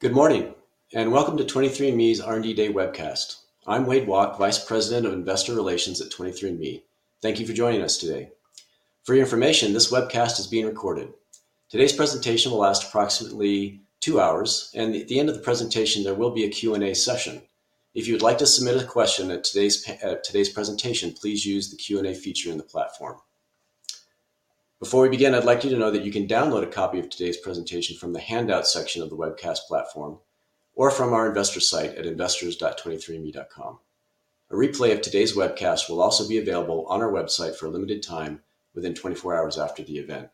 Good morning, and welcome to 23andMe's R&D Day webcast. I'm Wade Walke, Vice President of Investor Relations at 23andMe. Thank you for joining us today. For your information, this webcast is being recorded. Today's presentation will last approximately two hours, and at the end of the presentation, there will be a Q&A session. If you would like to submit a question at today's presentation, please use the Q&A feature in the platform. Before we begin, I'd like you to know that you can download a copy of today's presentation from the handout section of the webcast platform or from our investor site at investors.23andme.com. A replay of today's webcast will also be available on our website for a limited time within 24 hours after the event.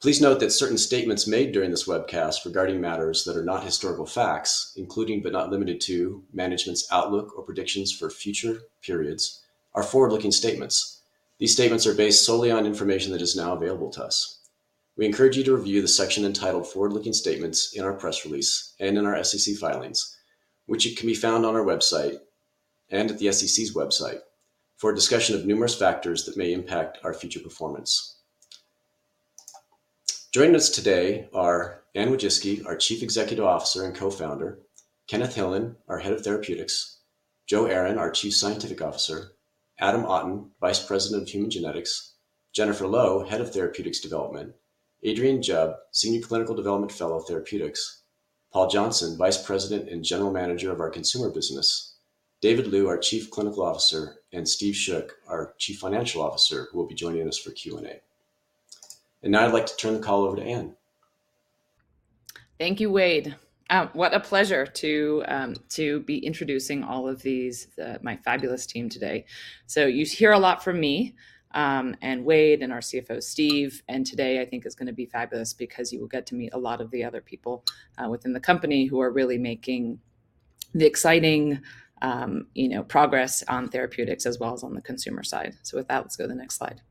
Please note that certain statements made during this webcast regarding matters that are not historical facts, including but not limited to management's outlook or predictions for future periods, are forward-looking statements. These statements are based solely on information that is now available to us. We encourage you to review the section entitled Forward-Looking Statements in our press release and in our SEC filings, which can be found on our website and at the SEC's website, for a discussion of numerous factors that may impact our future performance. Joining us today are Anne Wojcicki, our Chief Executive Officer and Co-founder, Kenneth Hillan, our Head of Therapeutics, Joe Arron, our Chief Scientific Officer, Adam Auton, Vice President of Human Genetics, Jennifer Low, Head of Therapeutics Development, Adrian Jubb, Senior Clinical Development Fellow of Therapeutics, Paul Johnson, Vice President and General Manager of our Consumer Business, Davis Liu, our Chief Clinical Officer, and Steve Schoch, our Chief Financial Officer, who will be joining us for Q&A. Now I'd like to turn the call over to Anne. Thank you, Wade. What a pleasure to be introducing all of these, my fabulous team today. You'll hear a lot from me and Wade and our CFO, Steve. Today I think is gonna be fabulous because you will get to meet a lot of the other people within the company who are really making the exciting, you know, progress on therapeutics as well as on the consumer side. With that, let's go to the next slide.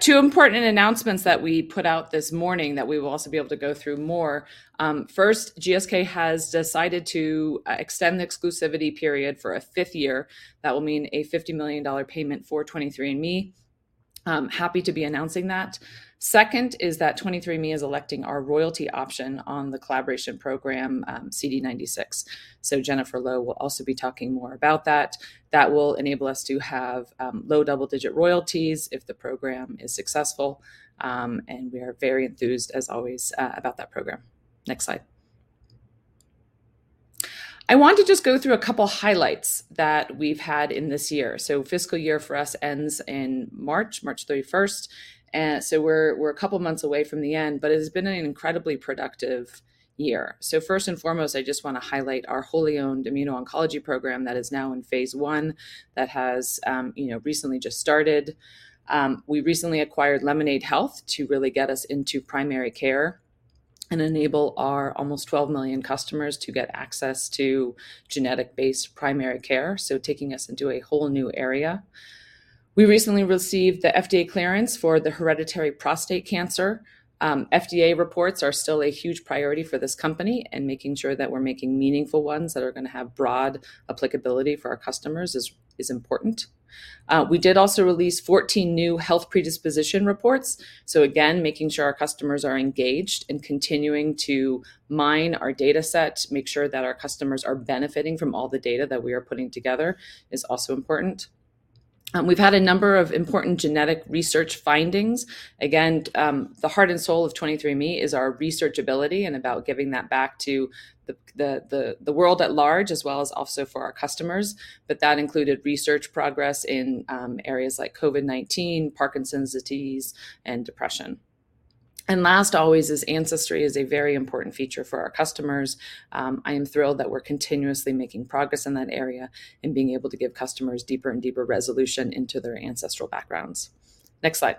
Two important announcements that we put out this morning that we will also be able to go through more. First, GSK has decided to extend the exclusivity period for a fifth year. That will mean a $50 million payment for 23andMe. I'm happy to be announcing that. Second is that 23andMe is electing our royalty option on the collaboration program, CD96. Jennifer Low will also be talking more about that. That will enable us to have low double-digit royalties if the program is successful. We are very enthused, as always, about that program. Next slide. I want to just go through a couple highlights that we've had in this year. Fiscal year for us ends in March 31. We're a couple of months away from the end, but it has been an incredibly productive year. First and foremost, I just want to highlight our wholly owned immuno-oncology program that is now in phase I that has, you know, recently just started. We recently acquired Lemonaid Health to really get us into primary care and enable our almost 12 million customers to get access to genetic-based primary care, so taking us into a whole new area. We recently received the FDA clearance for the hereditary prostate cancer. FDA reports are still a huge priority for this company, and making sure that we're making meaningful ones that are going to have broad applicability for our customers is important. We did also release 14 new health predisposition reports. Again, making sure our customers are engaged and continuing to mine our dataset, make sure that our customers are benefiting from all the data that we are putting together is also important. We've had a number of important genetic research findings. Again, the heart and soul of 23andMe is our research ability and about giving that back to the world at large as well as also for our customers. That included research progress in areas like COVID-19, Parkinson's disease, and depression. Last always is Ancestry is a very important feature for our customers. I am thrilled that we're continuously making progress in that area and being able to give customers deeper and deeper resolution into their ancestral backgrounds. Next slide.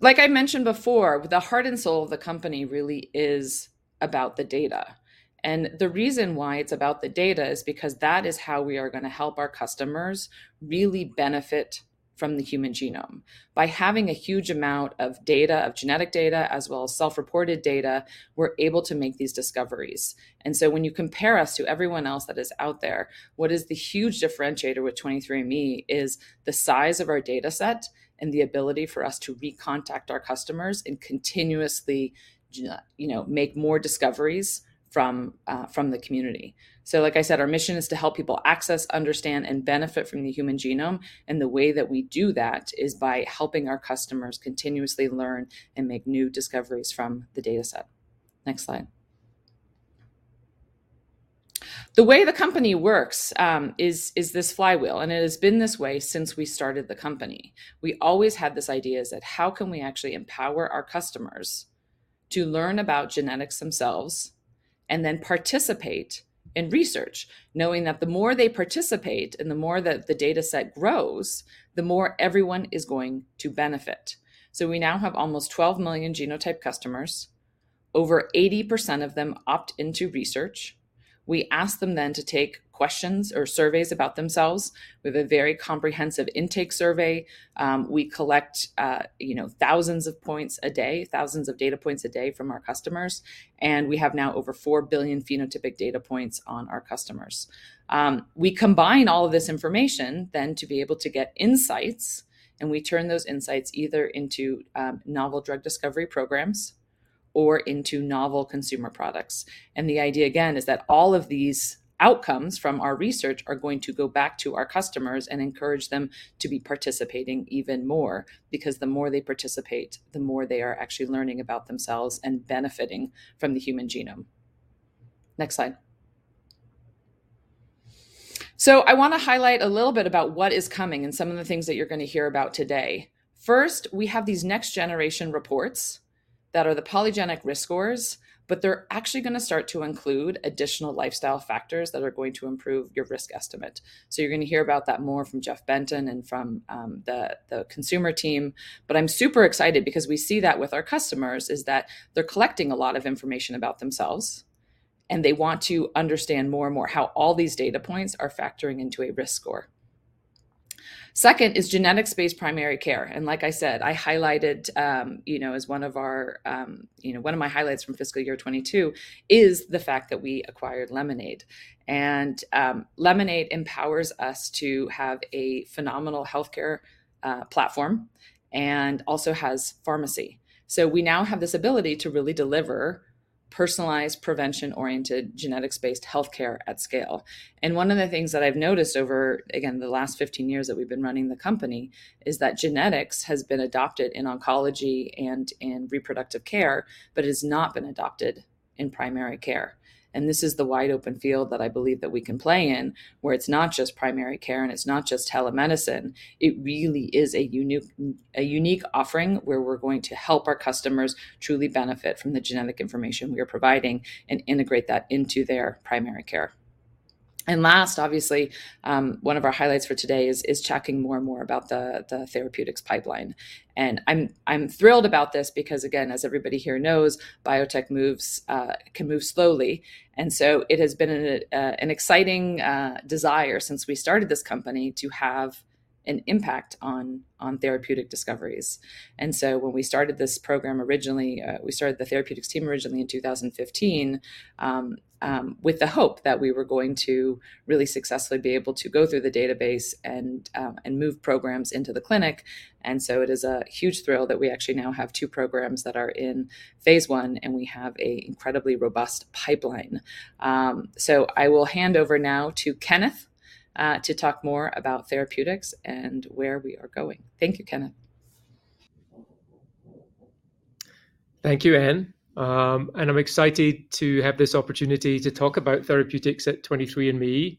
Like I mentioned before, the heart and soul of the company really is about the data. The reason why it's about the data is because that is how we are going to help our customers really benefit from the human genome. By having a huge amount of data, of genetic data, as well as self-reported data, we're able to make these discoveries. When you compare us to everyone else that is out there, what is the huge differentiator with 23andMe is the size of our dataset and the ability for us to recontact our customers and continuously you know, make more discoveries from the community. Like I said, our mission is to help people access, understand, and benefit from the human genome, and the way that we do that is by helping our customers continuously learn and make new discoveries from the dataset. Next slide. The way the company works is this flywheel, and it has been this way since we started the company. We always had this idea that how can we actually empower our customers to learn about genetics themselves and then participate in research, knowing that the more they participate and the more that the dataset grows, the more everyone is going to benefit. We now have almost 12 million genotype customers. Over 80% of them opt into research. We ask them then to take questions or surveys about themselves. We have a very comprehensive intake survey. We collect, you know, thousands of points a day, thousands of data points a day from our customers, and we have now over 4 billion phenotypic data points on our customers. We combine all of this information then to be able to get insights, and we turn those insights either into novel drug discovery programs or into novel consumer products. The idea, again, is that all of these outcomes from our research are going to go back to our customers and encourage them to be participating even more because the more they participate, the more they are actually learning about themselves and benefiting from the human genome. Next slide. I wanna highlight a little bit about what is coming and some of the things that you're gonna hear about today. First, we have these next generation reports that are the polygenic risk scores, but they're actually gonna start to include additional lifestyle factors that are going to improve your risk estimate. You're gonna hear about that more from Jeff Benton and from the consumer team. I'm super excited because we see that with our customers, is that they're collecting a lot of information about themselves, and they want to understand more and more how all these data points are factoring into a risk score. Second is genetics-based primary care. Like I said, I highlighted, you know, as one of our, you know, one of my highlights from fiscal year 2022 is the fact that we acquired Lemonaid. Lemonaid empowers us to have a phenomenal healthcare platform and also has pharmacy. We now have this ability to really deliver personalized, prevention-oriented, genetics-based healthcare at scale. One of the things that I've noticed over, again, the last 15 years that we've been running the company, is that genetics has been adopted in oncology and in reproductive care but has not been adopted in primary care. This is the wide-open field that I believe that we can play in, where it's not just primary care and it's not just telemedicine, it really is a unique offering where we're going to help our customers truly benefit from the genetic information we are providing and integrate that into their primary care. Last, obviously, one of our highlights for today is talking more and more about the therapeutics pipeline. I'm thrilled about this because, again, as everybody here knows, biotech moves can move slowly. It has been an exciting desire since we started this company to have an impact on therapeutic discoveries. When we started this program originally, we started the therapeutics team originally in 2015, with the hope that we were going to really successfully be able to go through the database and move programs into the clinic. It is a huge thrill that we actually now have two programs that are in phase I, and we have an incredibly robust pipeline. I will hand over now to Kenneth to talk more about therapeutics and where we are going. Thank you, Kenneth. Thank you, Anne. I'm excited to have this opportunity to talk about therapeutics at 23andMe,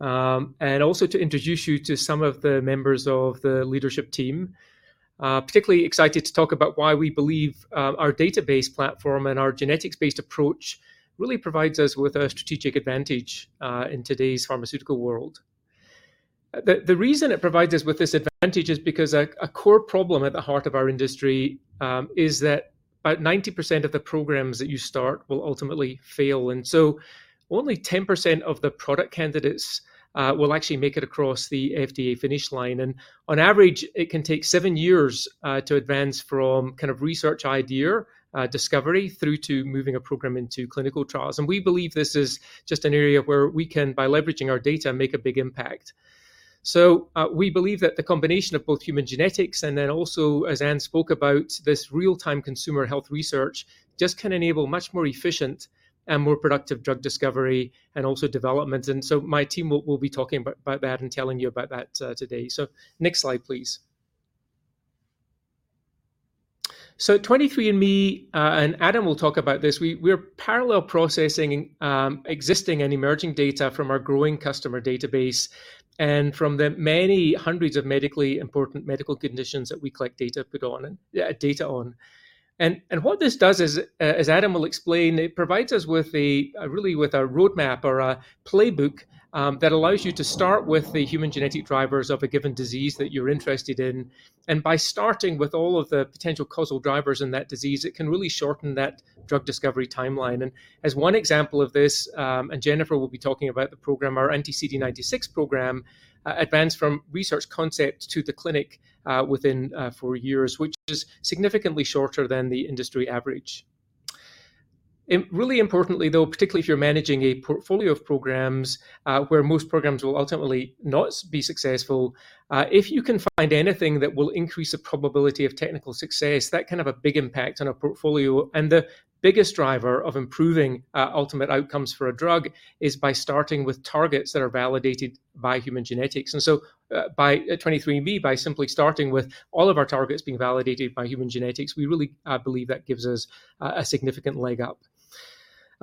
and also to introduce you to some of the members of the leadership team. Particularly excited to talk about why we believe our database platform and our genetics-based approach really provides us with a strategic advantage in today's pharmaceutical world. The reason it provides us with this advantage is because a core problem at the heart of our industry is that about 90% of the programs that you start will ultimately fail. Only 10% of the product candidates will actually make it across the FDA finish line. On average, it can take seven years to advance from kind of research idea discovery through to moving a program into clinical trials. We believe this is just an area where we can, by leveraging our data, make a big impact. We believe that the combination of both human genetics and then also, as Anne spoke about, this real-time consumer health research just can enable much more efficient and more productive drug discovery and also development. My team will be talking about that and telling you about that today. Next slide, please. At 23andMe, and Adam will talk about this, we are parallel processing existing and emerging data from our growing customer database and from the many hundreds of medically important medical conditions that we collect data on. What this does is, as Adam will explain, it provides us with a really with a roadmap or a playbook that allows you to start with the human genetic drivers of a given disease that you're interested in. By starting with all of the potential causal drivers in that disease, it can really shorten that drug discovery timeline. As one example of this, and Jennifer will be talking about the program, our anti-CD96 program advanced from research concept to the clinic within four years, which is significantly shorter than the industry average. Really importantly, though, particularly if you're managing a portfolio of programs, where most programs will ultimately not be successful, if you can find anything that will increase the probability of technical success, that can have a big impact on a portfolio. The biggest driver of improving ultimate outcomes for a drug is by starting with targets that are validated by human genetics. At 23andMe, by simply starting with all of our targets being validated by human genetics, we really believe that gives us a significant leg up.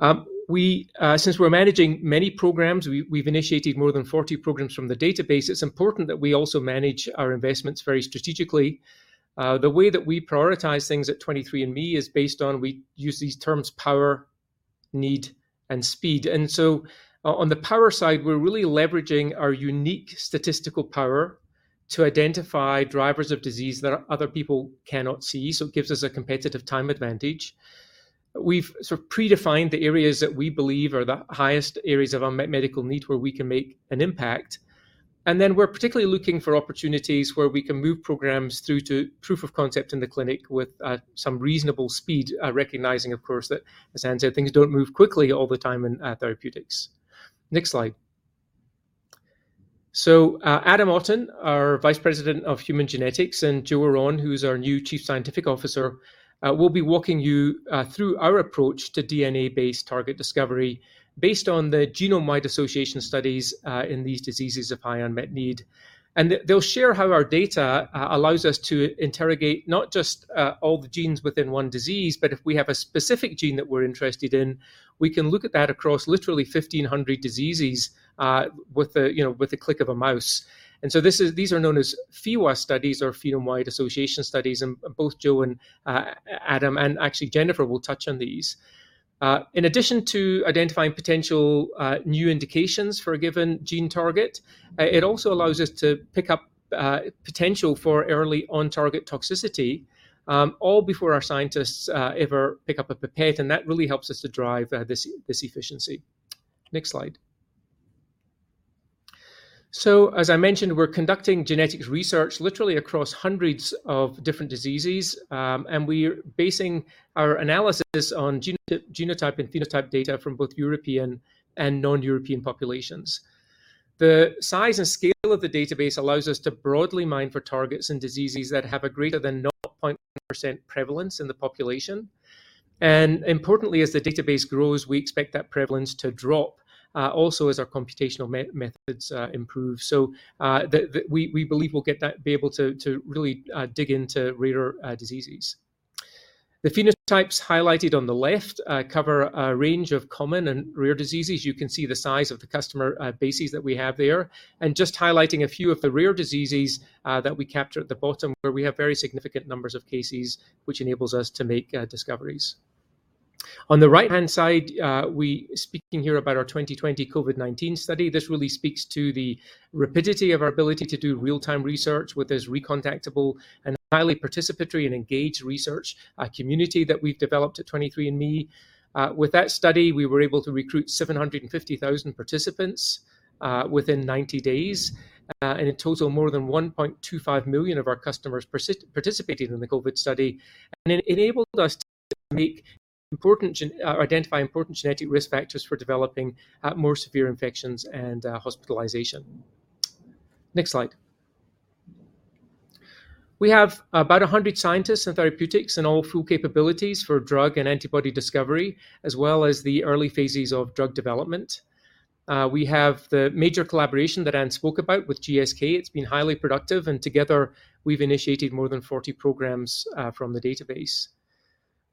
Since we're managing many programs, we've initiated more than 40 programs from the database. It's important that we also manage our investments very strategically. The way that we prioritize things at 23andMe is based on these terms, power, need, and speed. On the power side, we're really leveraging our unique statistical power to identify drivers of disease that other people cannot see. It gives us a competitive time advantage. We've sort of predefined the areas that we believe are the highest areas of unmet medical need where we can make an impact. Then we're particularly looking for opportunities where we can move programs through to proof of concept in the clinic with some reasonable speed, recognizing, of course, that, as Anne said, things don't move quickly all the time in therapeutics. Next slide. Adam Auton, our Vice President of Human Genetics, and Joe Arron, who is our new Chief Scientific Officer, will be walking you through our approach to DNA-based target discovery based on the genome-wide association studies in these diseases of high unmet need. They'll share how our data allows us to interrogate not just all the genes within one disease, but if we have a specific gene that we're interested in, we can look at that across literally 1,500 diseases, you know, with the click of a mouse. These are known as PheWAS studies or phenome-wide association studies, and both Joe and Adam, and actually Jennifer will touch on these. In addition to identifying potential new indications for a given gene target, it also allows us to pick up potential for early on-target toxicity, all before our scientists ever pick up a pipette, and that really helps us to drive this efficiency. Next slide. As I mentioned, we're conducting genetics research literally across hundreds of different diseases, and we're basing our analysis on genotype and phenotype data from both European and non-European populations. The size and scale of the database allows us to broadly mine for targets and diseases that have a greater than 0.1% prevalence in the population. Importantly, as the database grows, we expect that prevalence to drop, also as our computational methods improve, that we believe we'll be able to really dig into rarer diseases. The phenotypes highlighted on the left cover a range of common and rare diseases. You can see the size of the customer bases that we have there, and just highlighting a few of the rare diseases that we capture at the bottom where we have very significant numbers of cases, which enables us to make discoveries. On the right-hand side, we're speaking here about our 2020 COVID-19 study. This really speaks to the rapidity of our ability to do real-time research with this recontactable and highly participatory and engaged research community that we've developed at 23andMe. With that study, we were able to recruit 750,000 participants within 90 days. In total, more than 1.25 million of our customers participated in the COVID study, and it enabled us to identify important genetic risk factors for developing more severe infections and hospitalization. Next slide. We have about 100 scientists in therapeutics and all full capabilities for drug and antibody discovery, as well as the early phases of drug development. We have the major collaboration that Anne spoke about with GSK. It's been highly productive, and together, we've initiated more than 40 programs from the database.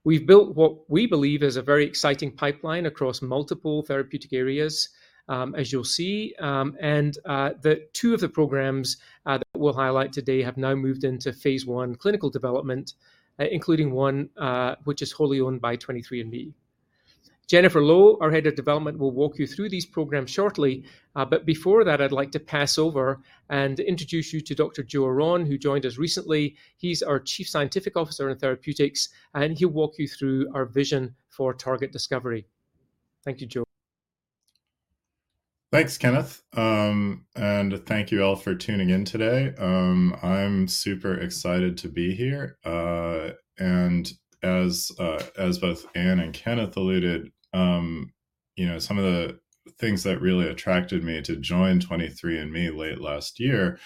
We've built what we believe is a very exciting pipeline across multiple therapeutic areas, as you'll see, and the two of the programs that we'll highlight today have now moved into phase I clinical development, including one, which is wholly owned by 23andMe. Jennifer Low, our Head of Development, will walk you through these programs shortly. Before that, I'd like to pass over and introduce you to Dr. Joe Arron, who joined us recently. He's our Chief Scientific Officer in therapeutics, and he'll walk you through our vision for target discovery. Thank you, Joe. Thanks, Kenneth. Thank you all for tuning in today. I'm super excited to be here. As both Anne and Kenneth alluded, you know, some of the things that really attracted me to join 23andMe late last year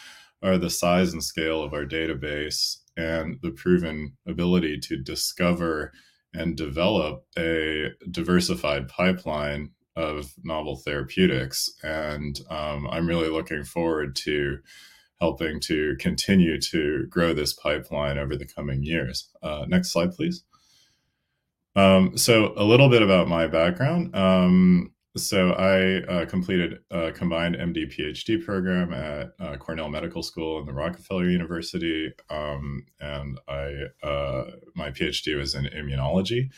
are the size and scale of our database and the proven ability to discover and develop a diversified pipeline of novel therapeutics. I'm really looking forward to helping to continue to grow this pipeline over the coming years. Next slide, please. A little bit about my background. I completed a combined MD-PhD program at Cornell Medical School and the Rockefeller University. My PhD was in Immunology.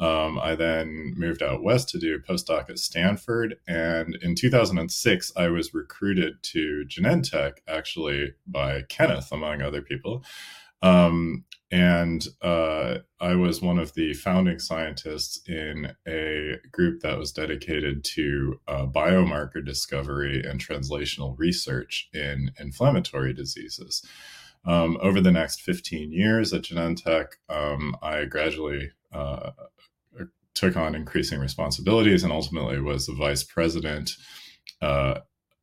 I then moved out west to do a postdoc at Stanford, and in 2006, I was recruited to Genentech, actually by Kenneth, among other people. I was one of the founding scientists in a group that was dedicated to biomarker discovery and translational research in inflammatory diseases. Over the next 15 years at Genentech, I gradually took on increasing responsibilities and ultimately was the Vice President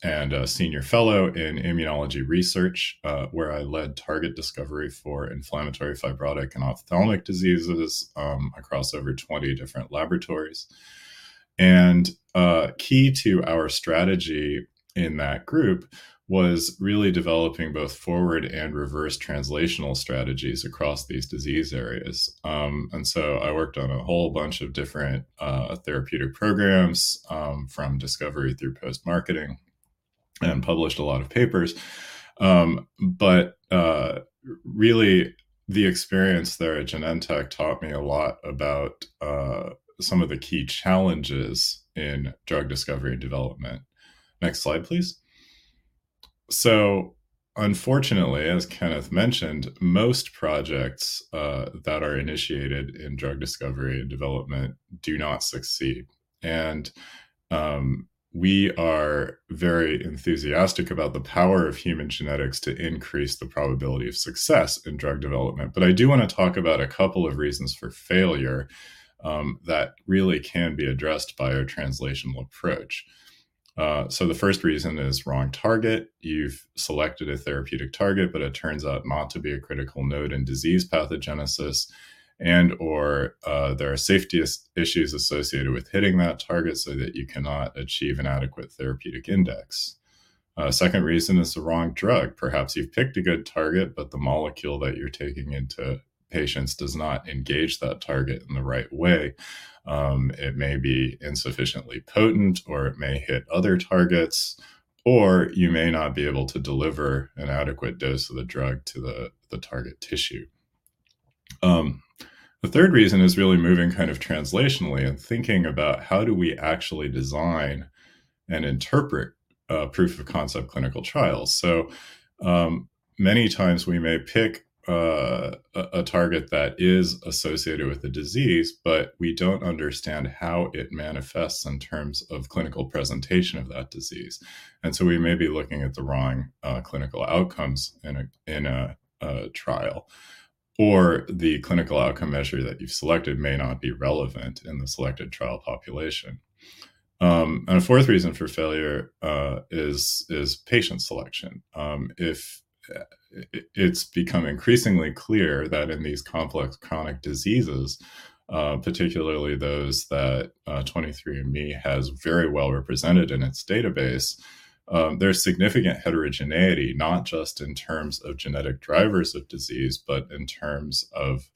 and a Senior Fellow in Immunology research, where I led target discovery for inflammatory, fibrotic, and ophthalmic diseases, across over 20 different laboratories. Key to our strategy in that group was really developing both forward and reverse translational strategies across these disease areas. I worked on a whole bunch of different therapeutic programs from discovery through post-marketing and published a lot of papers. Really the experience there at Genentech taught me a lot about some of the key challenges in drug discovery and development. Next slide, please. Unfortunately, as Kenneth mentioned, most projects that are initiated in drug discovery and development do not succeed. We are very enthusiastic about the power of human genetics to increase the probability of success in drug development. I do wanna talk about a couple of reasons for failure that really can be addressed by our translational approach. The first reason is wrong target. You've selected a therapeutic target, but it turns out not to be a critical node in disease pathogenesis and/or there are safety issues associated with hitting that target so that you cannot achieve an adequate therapeutic index. Second reason is the wrong drug. Perhaps you've picked a good target, but the molecule that you're taking into patients does not engage that target in the right way. It may be insufficiently potent, or it may hit other targets, or you may not be able to deliver an adequate dose of the drug to the target tissue. The third reason is really moving kind of translationally and thinking about how do we actually design and interpret proof of concept clinical trials. Many times we may pick a target that is associated with the disease, but we don't understand how it manifests in terms of clinical presentation of that disease. We may be looking at the wrong clinical outcomes in a trial, or the clinical outcome measure that you've selected may not be relevant in the selected trial population. A fourth reason for failure is patient selection. It's become increasingly clear that in these complex chronic diseases, particularly those that 23andMe has very well represented in its database, there's significant heterogeneity, not just in terms of genetic drivers of disease, but in terms of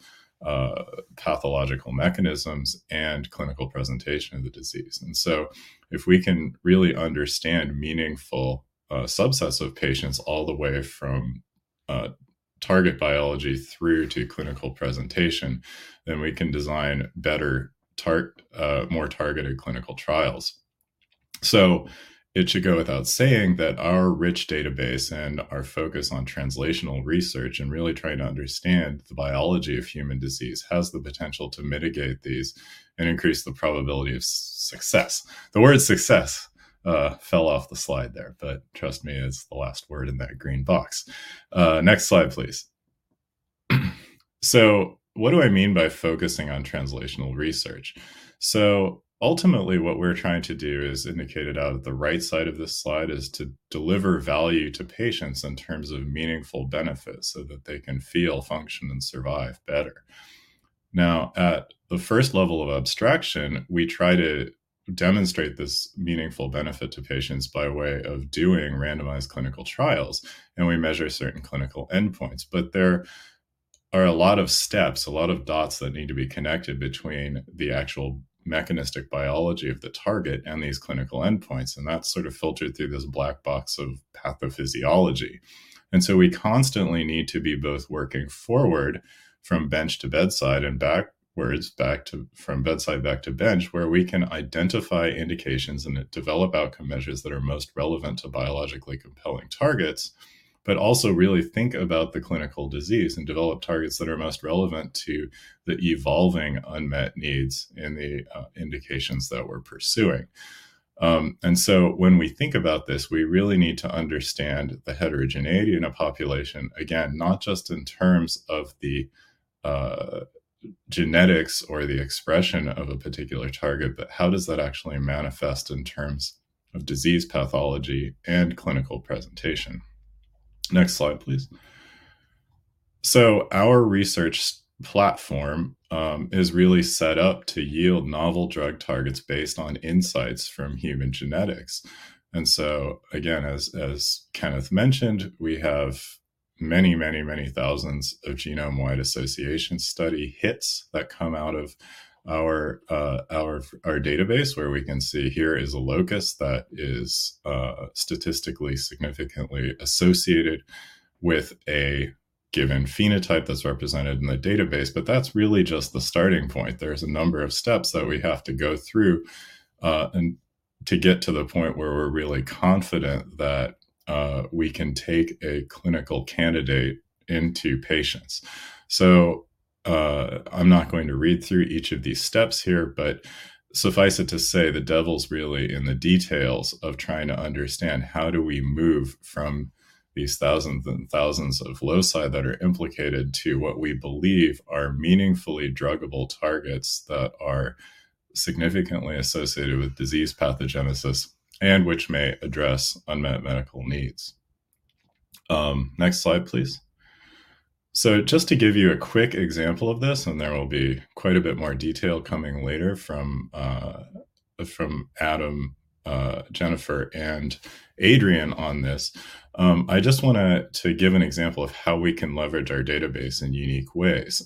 pathological mechanisms and clinical presentation of the disease. If we can really understand meaningful subsets of patients all the way from target biology through to clinical presentation, then we can design better, more targeted clinical trials. It should go without saying that our rich database and our focus on translational research and really trying to understand the biology of human disease has the potential to mitigate these and increase the probability of success. The word success fell off the slide there, but trust me, it's the last word in that green box. Next slide, please. What do I mean by focusing on translational research? Ultimately, what we're trying to do is indicated out at the right side of this slide, is to deliver value to patients in terms of meaningful benefit so that they can feel, function, and survive better. Now, at the first level of abstraction, we try to demonstrate this meaningful benefit to patients by way of doing randomized clinical trials, and we measure certain clinical endpoints. There are a lot of steps, a lot of dots that need to be connected between the actual mechanistic biology of the target and these clinical endpoints, and that's sort of filtered through this black box of pathophysiology. We constantly need to be both working forward from bench to bedside and backwards from bedside back to bench, where we can identify indications and develop outcome measures that are most relevant to biologically compelling targets, but also really think about the clinical disease and develop targets that are most relevant to the evolving unmet needs in the indications that we're pursuing. When we think about this, we really need to understand the heterogeneity in a population, again, not just in terms of the genetics or the expression of a particular target, but how does that actually manifest in terms of disease pathology and clinical presentation. Next slide, please. Our research platform is really set up to yield novel drug targets based on insights from human genetics. Again, as Kenneth mentioned, we have many thousands of genome-wide association study hits that come out of our database, where we can see here is a locus that is statistically significantly associated with a given phenotype that's represented in the database, but that's really just the starting point. There's a number of steps that we have to go through, and to get to the point where we're really confident that we can take a clinical candidate into patients. I'm not going to read through each of these steps here, but suffice it to say, the devil's really in the details of trying to understand how do we move from these thousands and thousands of loci that are implicated to what we believe are meaningfully druggable targets that are significantly associated with disease pathogenesis and which may address unmet medical needs. Next slide, please. Just to give you a quick example of this, and there will be quite a bit more detail coming later from Adam, Jennifer, and Adrian on this. I just want to give an example of how we can leverage our database in unique ways.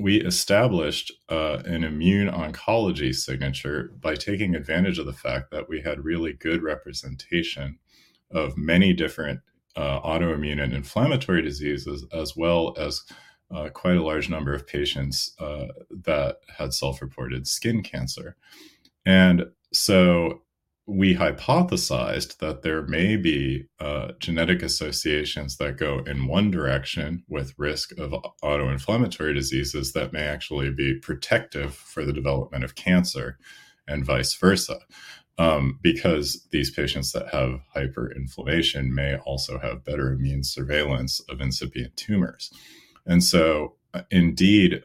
We established an immuno-oncology signature by taking advantage of the fact that we had really good representation of many different autoimmune and inflammatory diseases, as well as quite a large number of patients that had self-reported skin cancer. We hypothesized that there may be genetic associations that go in one direction with risk of autoinflammatory diseases that may actually be protective for the development of cancer and vice versa, because these patients that have hyperinflammation may also have better immune surveillance of incipient tumors. Indeed,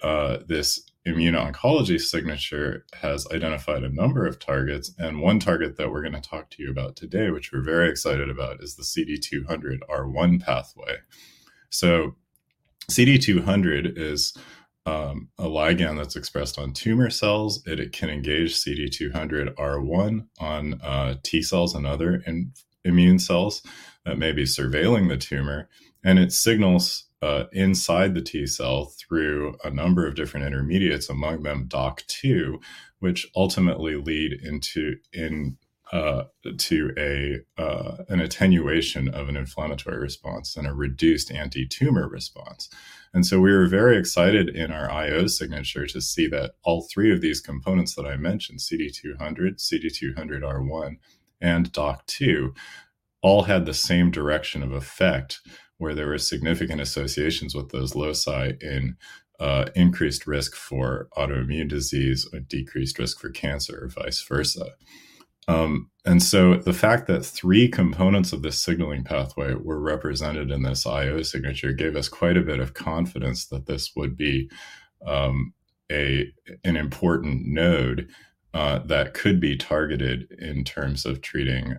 this immuno-oncology signature has identified a number of targets, and one target that we're gonna talk to you about today, which we're very excited about, is the CD200R1 pathway. CD200 is a ligand that's expressed on tumor cells. It can engage CD200R1 on T cells and other immune cells that may be surveilling the tumor. It signals inside the T cell through a number of different intermediates, among them Dok-2, which ultimately lead to an attenuation of an inflammatory response and a reduced anti-tumor response. We were very excited in our IO signature to see that all three of these components that I mentioned, CD200, CD200R1, and Dok-2, all had the same direction of effect, where there were significant associations with those loci in increased risk for autoimmune disease or decreased risk for cancer, or vice versa. The fact that three components of this signaling pathway were represented in this IO signature gave us quite a bit of confidence that this would be an important node that could be targeted in terms of treating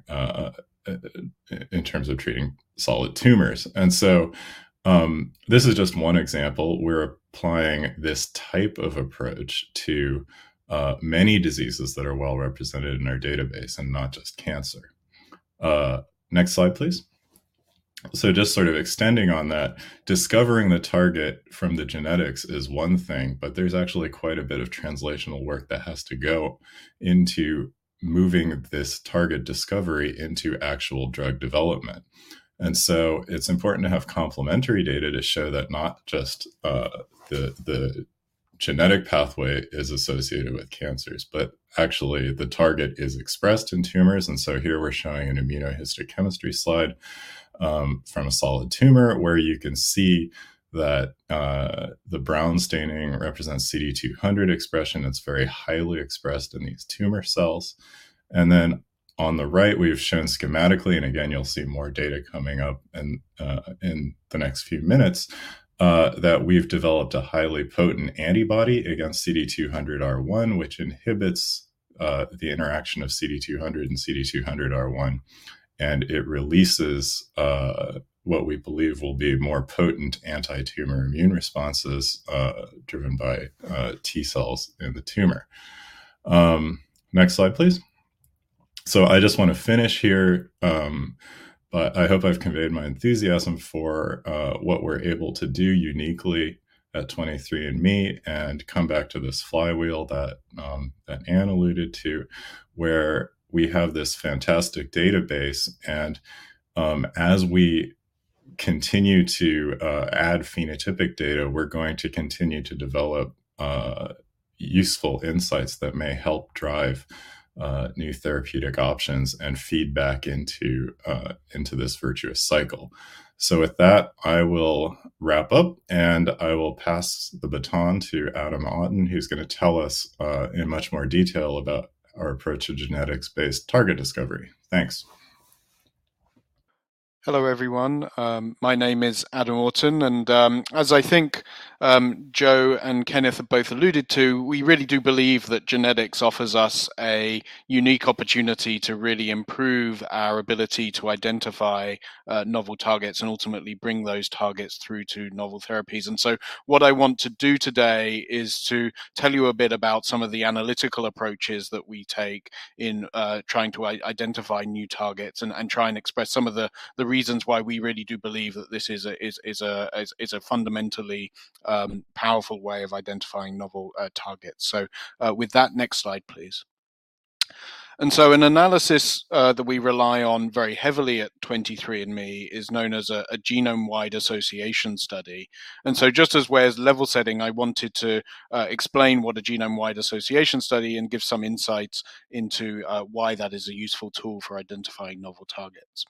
solid tumors. This is just one example. We're applying this type of approach to many diseases that are well represented in our database and not just cancer. Next slide, please. Just sort of extending on that, discovering the target from the genetics is one thing, but there's actually quite a bit of translational work that has to go into moving this target discovery into actual drug development. It's important to have complementary data to show that not just the genetic pathway is associated with cancers, but actually the target is expressed in tumors. Here we're showing an immunohistochemistry slide from a solid tumor, where you can see that the brown staining represents CD200 expression that's very highly expressed in these tumor cells. Then on the right, we've shown schematically, and again you'll see more data coming up in the next few minutes, that we've developed a highly potent antibody against CD200R1, which inhibits the interaction of CD200 and CD200R1, and it releases what we believe will be more potent anti-tumor immune responses driven by T cells in the tumor. Next slide, please. I just wanna finish here, but I hope I've conveyed my enthusiasm for what we're able to do uniquely at 23andMe and come back to this flywheel that that Anne alluded to, where we have this fantastic database and as we continue to add phenotypic data, we're going to continue to develop useful insights that may help drive new therapeutic options and feed back into into this virtuous cycle. With that, I will wrap up, and I will pass the baton to Adam Auton, who's gonna tell us in much more detail about our approach to genetics-based target discovery. Thanks. Hello, everyone, my name is Adam Auton, and, as I think, Joe and Kenneth have both alluded to, we really do believe that genetics offers us a unique opportunity to really improve our ability to identify, novel targets and ultimately bring those targets through to novel therapies. What I want to do today is to tell you a bit about some of the analytical approaches that we take in, trying to identify new targets and try and express some of the reasons why we really do believe that this is a fundamentally powerful way of identifying novel targets. With that, next slide please. An analysis that we rely on very heavily at 23andMe is known as a genome-wide association study. Just by way of level setting, I wanted to explain what a genome-wide association study is and give some insights into why that is a useful tool for identifying novel targets.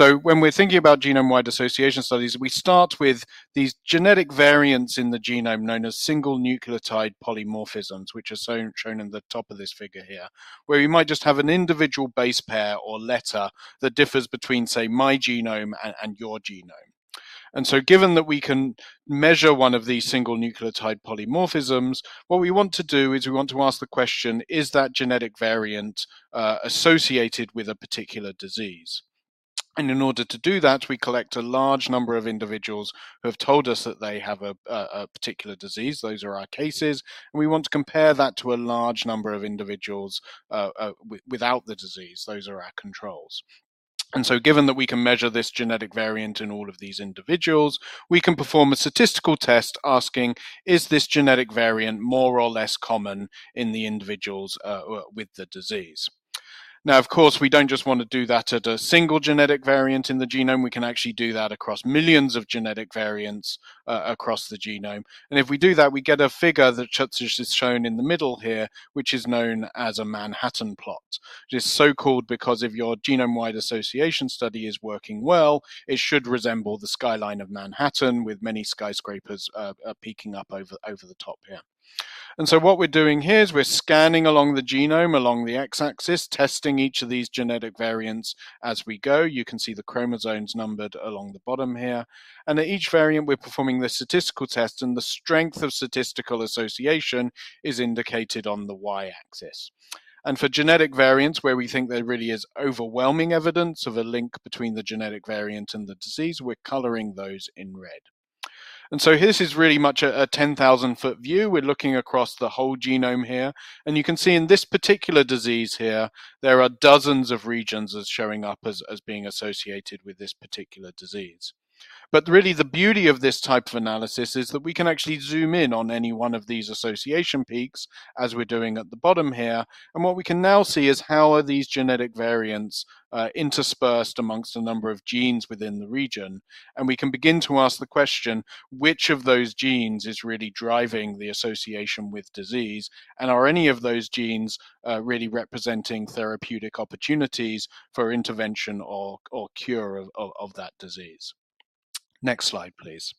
When we're thinking about genome-wide association studies, we start with these genetic variants in the genome known as single nucleotide polymorphisms, which are shown in the top of this figure here, where you might just have an individual base pair or letter that differs between, say, my genome and your genome. Given that we can measure one of these single nucleotide polymorphisms, what we want to do is we want to ask the question: Is that genetic variant associated with a particular disease? In order to do that, we collect a large number of individuals who have told us that they have a particular disease. Those are our cases. We want to compare that to a large number of individuals without the disease. Those are our controls. Given that we can measure this genetic variant in all of these individuals, we can perform a statistical test asking, is this genetic variant more or less common in the individuals with the disease? Now, of course, we don't just wanna do that at a single genetic variant in the genome. We can actually do that across millions of genetic variants across the genome. If we do that, we get a figure that's shown in the middle here, which is known as a Manhattan plot. It is so-called because if your genome-wide association study is working well, it should resemble the skyline of Manhattan with many skyscrapers peaking up over the top here. What we're doing here is we're scanning along the genome, along the X-axis, testing each of these genetic variants as we go. You can see the chromosomes numbered along the bottom here. At each variant, we're performing this statistical test, and the strength of statistical association is indicated on the Y-axis. For genetic variants where we think there really is overwhelming evidence of a link between the genetic variant and the disease, we're coloring those in red. This is really much a ten thousand foot view. We're looking across the whole genome here, and you can see in this particular disease here, there are dozens of regions showing up as being associated with this particular disease. Really the beauty of this type of analysis is that we can actually zoom in on any one of these association peaks, as we're doing at the bottom here. What we can now see is how are these genetic variants interspersed amongst a number of genes within the region, and we can begin to ask the question, which of those genes is really driving the association with disease? Are any of those genes really representing therapeutic opportunities for intervention or cure of that disease? Next slide, please.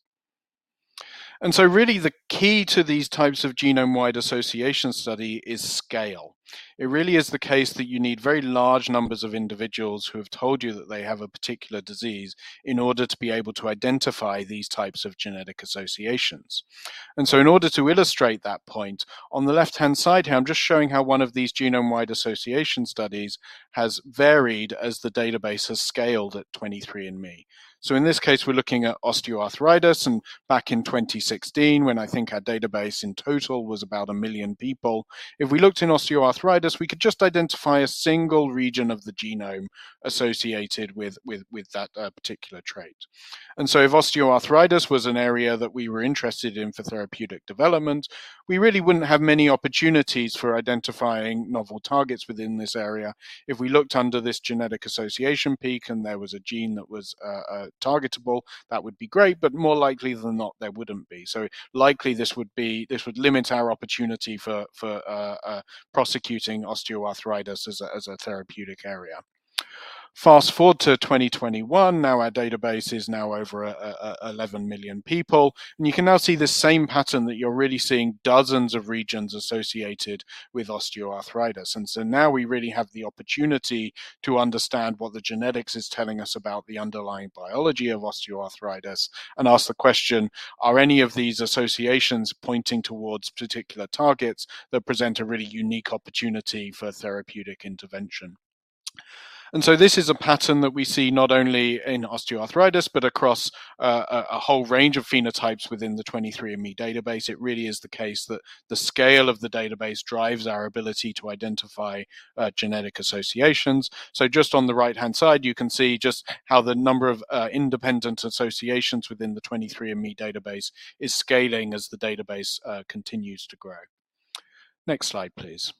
Really the key to these types of genome-wide association study is scale. It really is the case that you need very large numbers of individuals who have told you that they have a particular disease in order to be able to identify these types of genetic associations. In order to illustrate that point, on the left-hand side here, I'm just showing how one of these genome-wide association studies has varied as the database has scaled at 23andMe. In this case, we're looking at osteoarthritis. Back in 2016, when I think our database in total was about 1 million people, if we looked in osteoarthritis, we could just identify a single region of the genome associated with that particular trait. If osteoarthritis was an area that we were interested in for therapeutic development, we really wouldn't have many opportunities for identifying novel targets within this area. If we looked under this genetic association peak and there was a gene that was targetable, that would be great, but more likely than not, there wouldn't be. Likely this would limit our opportunity for prosecuting osteoarthritis as a therapeutic area. Fast-forward to 2021, our database is over 11 million people, and you can now see this same pattern that you're really seeing dozens of regions associated with osteoarthritis. Now we really have the opportunity to understand what the genetics is telling us about the underlying biology of osteoarthritis and ask the question, are any of these associations pointing towards particular targets that present a really unique opportunity for therapeutic intervention? This is a pattern that we see not only in osteoarthritis, but across a whole range of phenotypes within the 23andMe database. It really is the case that the scale of the database drives our ability to identify genetic associations. Just on the right-hand side, you can see just how the number of independent associations within the 23andMe database is scaling as the database continues to grow. Next slide, please.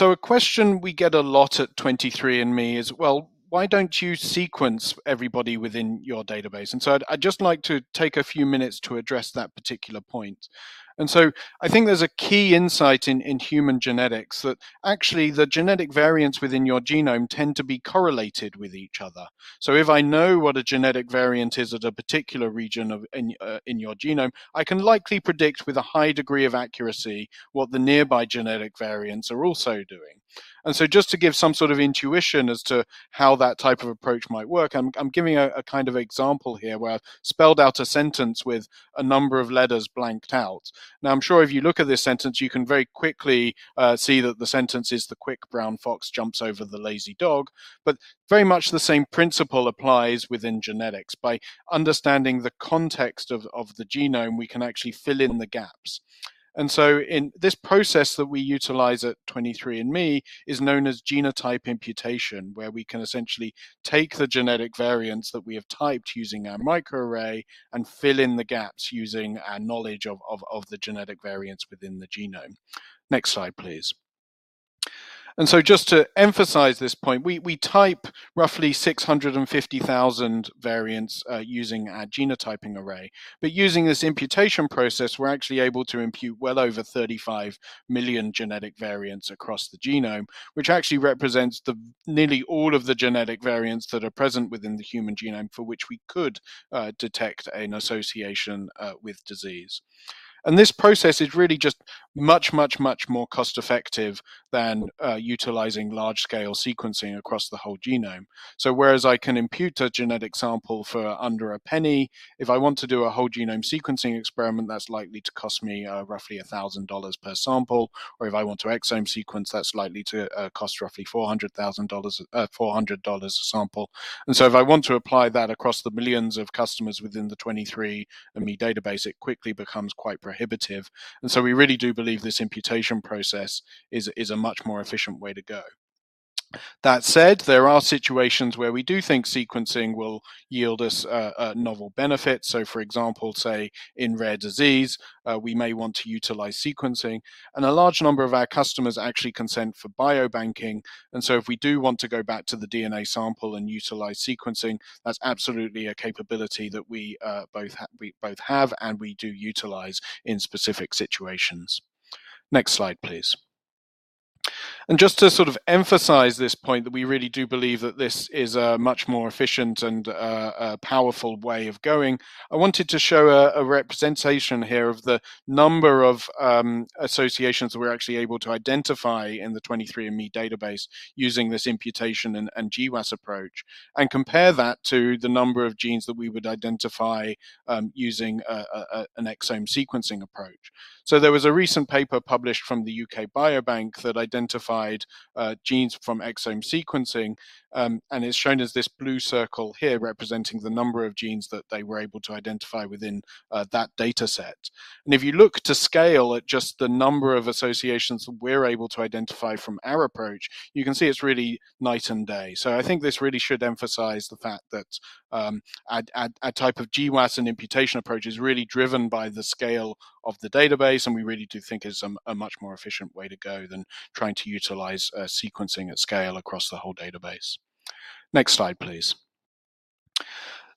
A question we get a lot at 23andMe is, well, why don't you sequence everybody within your database? I'd just like to take a few minutes to address that particular point. I think there's a key insight in human genetics that actually the genetic variants within your genome tend to be correlated with each other. If I know what a genetic variant is at a particular region in your genome, I can likely predict with a high degree of accuracy what the nearby genetic variants are also doing. Just to give some sort of intuition as to how that type of approach might work, I'm giving a kind of example here where I've spelled out a sentence with a number of letters blanked out. Now, I'm sure if you look at this sentence, you can very quickly see that the sentence is, "The quick brown fox jumps over the lazy dog." But very much the same principle applies within genetics. By understanding the context of the genome, we can actually fill in the gaps. In this process that we utilize at 23andMe is known as genotype imputation, where we can essentially take the genetic variants that we have typed using our microarray and fill in the gaps using our knowledge of the genetic variants within the genome. Next slide, please. Just to emphasize this point, we type roughly 650,000 variants using our genotyping array. Using this imputation process, we're actually able to impute well over 35 million genetic variants across the genome, which actually represents nearly all of the genetic variants that are present within the human genome for which we could detect an association with disease. This process is really just much more cost-effective than utilizing large scale sequencing across the whole genome. Whereas I can impute a genetic sample for under a penny, if I want to do a whole genome sequencing experiment, that's likely to cost me roughly $1,000 per sample. Or if I want to exome sequence, that's likely to cost roughly $400 a sample. If I want to apply that across the millions of customers within the 23andMe database, it quickly becomes quite prohibitive. We really do believe this imputation process is a much more efficient way to go. That said, there are situations where we do think sequencing will yield us a novel benefit. For example, say in rare disease, we may want to utilize sequencing, and a large number of our customers actually consent for biobanking. If we do want to go back to the DNA sample and utilize sequencing, that's absolutely a capability that we both have and we do utilize in specific situations. Next slide, please. Just to sort of emphasize this point that we really do believe that this is a much more efficient and powerful way of going, I wanted to show a representation here of the number of associations we're actually able to identify in the 23andMe database using this imputation and GWAS approach and compare that to the number of genes that we would identify using an exome sequencing approach. There was a recent paper published from the U.K. Biobank that identified genes from exome sequencing, and it's shown as this blue circle here, representing the number of genes that they were able to identify within that dataset. If you look to scale at just the number of associations we're able to identify from our approach, you can see it's really night and day. I think this really should emphasize the fact that a type of GWAS and imputation approach is really driven by the scale of the database, and we really do think is a much more efficient way to go than trying to utilize sequencing at scale across the whole database. Next slide, please.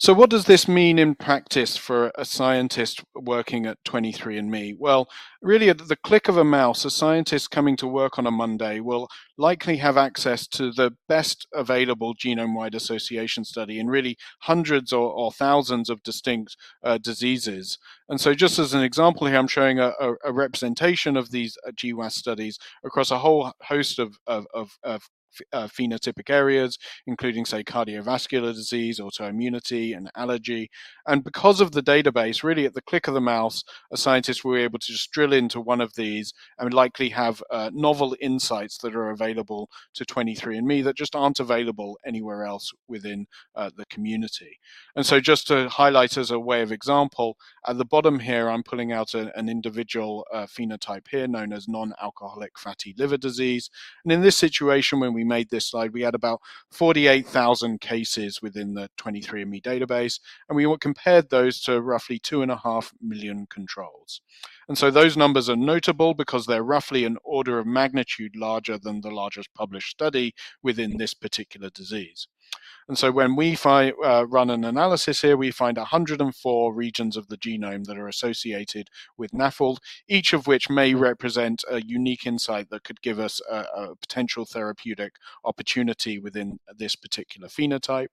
What does this mean in practice for a scientist working at 23andMe? Well, really at the click of a mouse, a scientist coming to work on a Monday will likely have access to the best available genome-wide association study in really hundreds or thousands of distinct diseases. Just as an example here, I'm showing a representation of these GWAS studies across a whole host of phenotypic areas, including, say, cardiovascular disease, autoimmunity, and allergy. Because of the database, really at the click of the mouse, a scientist will be able to just drill into one of these and likely have novel insights that are available to 23andMe that just aren't available anywhere else within the community. Just to highlight as a way of example, at the bottom here, I'm pulling out an individual phenotype here known as non-alcoholic fatty liver disease. In this situation, when we made this slide, we had about 48,000 cases within the 23andMe database, and we compared those to roughly 2.5 million controls. Those numbers are notable because they're roughly an order of magnitude larger than the largest published study within this particular disease. When we run an analysis here, we find 104 regions of the genome that are associated with NAFLD, each of which may represent a unique insight that could give us a potential therapeutic opportunity within this particular phenotype.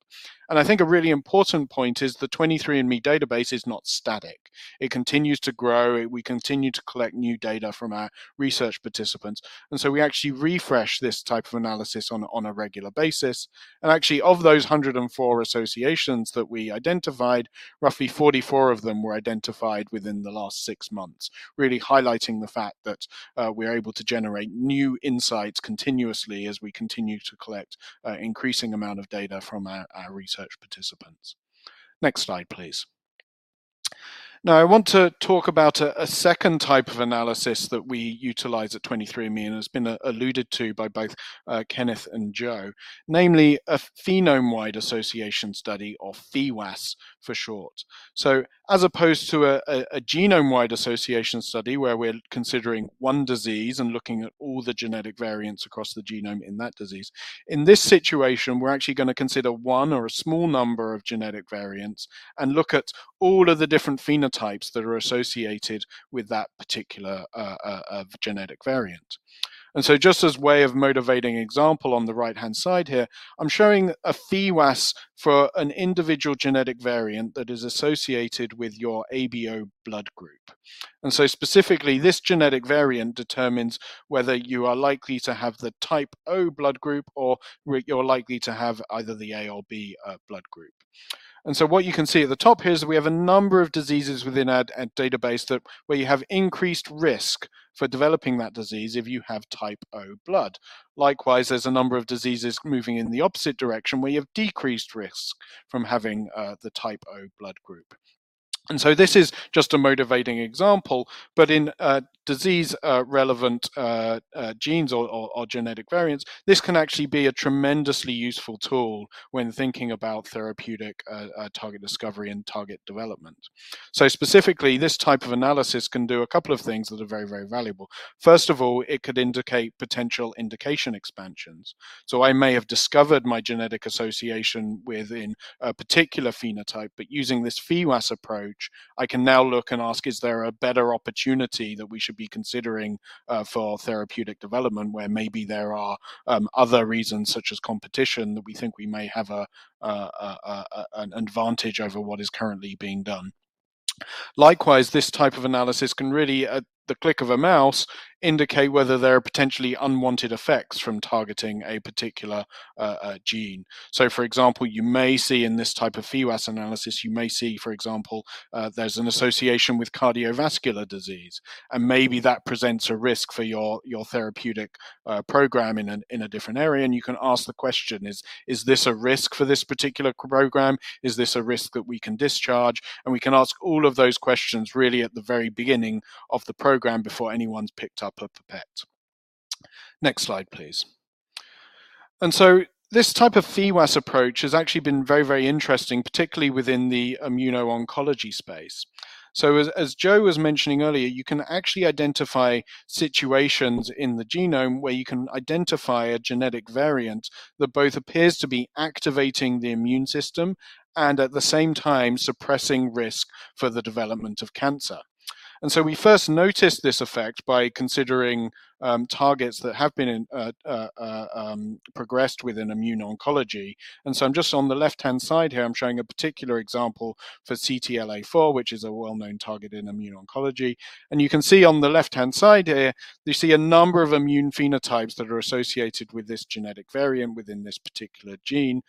I think a really important point is the 23andMe database is not static. It continues to grow. We continue to collect new data from our research participants, and so we actually refresh this type of analysis on a regular basis. Actually, of those 104 associations that we identified, roughly 44 of them were identified within the last six months, really highlighting the fact that we are able to generate new insights continuously as we continue to collect an increasing amount of data from our research participants. Next slide, please. Now I want to talk about a second type of analysis that we utilize at 23andMe, and it's been alluded to by both Kenneth and Joe, namely a phenome-wide association study or PheWAS for short. As opposed to a genome-wide association study where we're considering one disease and looking at all the genetic variants across the genome in that disease, in this situation, we're actually gonna consider one or a small number of genetic variants and look at all of the different phenotypes that are associated with that particular genetic variant. Just as way of motivating example on the right-hand side here, I'm showing a PheWAS for an individual genetic variant that is associated with your ABO blood group. Specifically, this genetic variant determines whether you are likely to have the type O blood group or you're likely to have either the A or B blood group. What you can see at the top here is that we have a number of diseases within our database that where you have increased risk for developing that disease if you have type O blood. Likewise, there's a number of diseases moving in the opposite direction, where you have decreased risk from having the type O blood group. This is just a motivating example, but in disease relevant genes or genetic variants, this can actually be a tremendously useful tool when thinking about therapeutic target discovery and target development. Specifically, this type of analysis can do a couple of things that are very, very valuable. First of all, it could indicate potential indication expansions. I may have discovered my genetic association within a particular phenotype, but using this PheWAS approach, I can now look and ask, is there a better opportunity that we should be considering, for therapeutic development, where maybe there are, other reasons such as competition that we think we may have an advantage over what is currently being done? Likewise, this type of analysis can really at the click of a mouse indicate whether there are potentially unwanted effects from targeting a particular, gene. For example, you may see in this type of PheWAS analysis an association with cardiovascular disease, and maybe that presents a risk for your therapeutic program in a different area. You can ask the question, is this a risk for this particular program? Is this a risk that we can discharge? We can ask all of those questions really at the very beginning of the program before anyone's picked up a pipette. Next slide, please. This type of PheWAS approach has actually been very, very interesting, particularly within the immuno-oncology space. As Joe was mentioning earlier, you can actually identify situations in the genome where you can identify a genetic variant that both appears to be activating the immune system and at the same time suppressing risk for the development of cancer. We first noticed this effect by considering targets that have been progressed within immuno-oncology. I'm just on the left-hand side here, I'm showing a particular example for CTLA-4, which is a well-known target in immuno-oncology. You can see on the left-hand side here, you see a number of immune phenotypes that are associated with this genetic variant within this particular gene,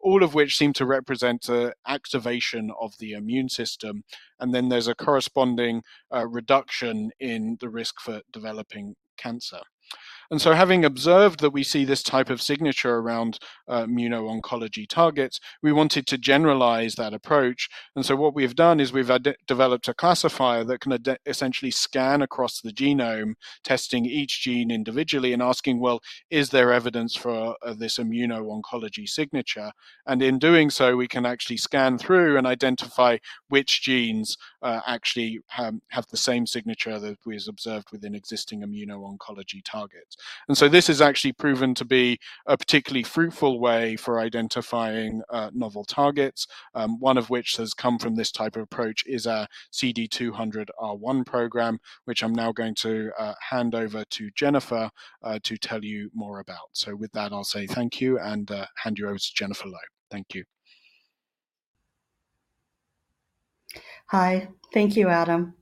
all of which seem to represent an activation of the immune system, and then there's a corresponding reduction in the risk for developing cancer. Having observed that we see this type of signature around immuno-oncology targets, we wanted to generalize that approach. What we've done is we've developed a classifier that can essentially scan across the genome, testing each gene individually and asking, "Well, is there evidence for this immuno-oncology signature?" In doing so, we can actually scan through and identify which genes actually have the same signature that we observed within existing immuno-oncology targets. This has actually proven to be a particularly fruitful way for identifying novel targets, one of which has come from this type of approach is our CD200R1 program, which I'm now going to hand over to Jennifer to tell you more about. With that, I'll say thank you and hand you over to Jennifer Low. Thank you. Hi. Thank you, Adam.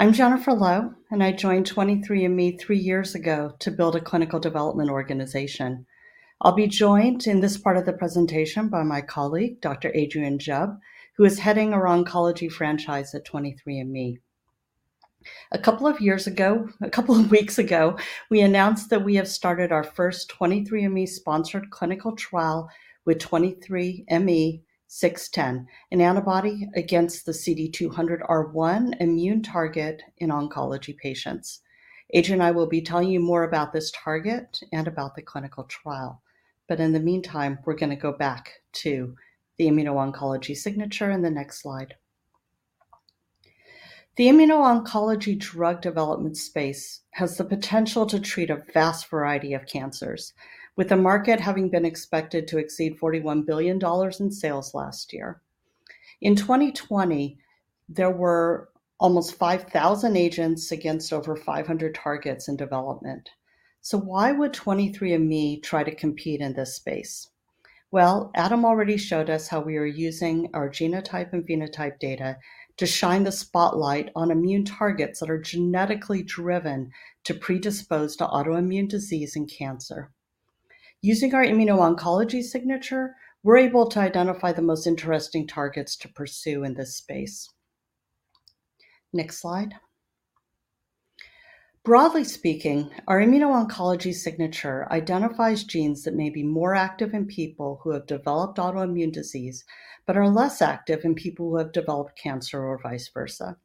I'm Jennifer Low, and I joined 23andMe three years ago to build a clinical development organization. I'll be joined in this part of the presentation by my colleague, Dr. Adrian Jubb, who is heading our oncology franchise at 23andMe. A couple of weeks ago, we announced that we have started our first 23andMe-sponsored clinical trial with 23ME-00610, an antibody against the CD200R1 immune target in oncology patients. Adrian and I will be telling you more about this target and about the clinical trial, but in the meantime, we're gonna go back to the immuno-oncology signature in the next slide. The immuno-oncology drug development space has the potential to treat a vast variety of cancers, with the market having been expected to exceed $41 billion in sales last year. In 2020, there were almost 5,000 agents against over 500 targets in development. Why would 23andMe try to compete in this space? Well, Adam already showed us how we are using our genotype and phenotype data to shine the spotlight on immune targets that are genetically driven to predispose to autoimmune disease and cancer. Using our immuno-oncology signature, we're able to identify the most interesting targets to pursue in this space. Next slide. Broadly speaking, our immuno-oncology signature identifies genes that may be more active in people who have developed autoimmune disease but are less active in people who have developed cancer or vice versa.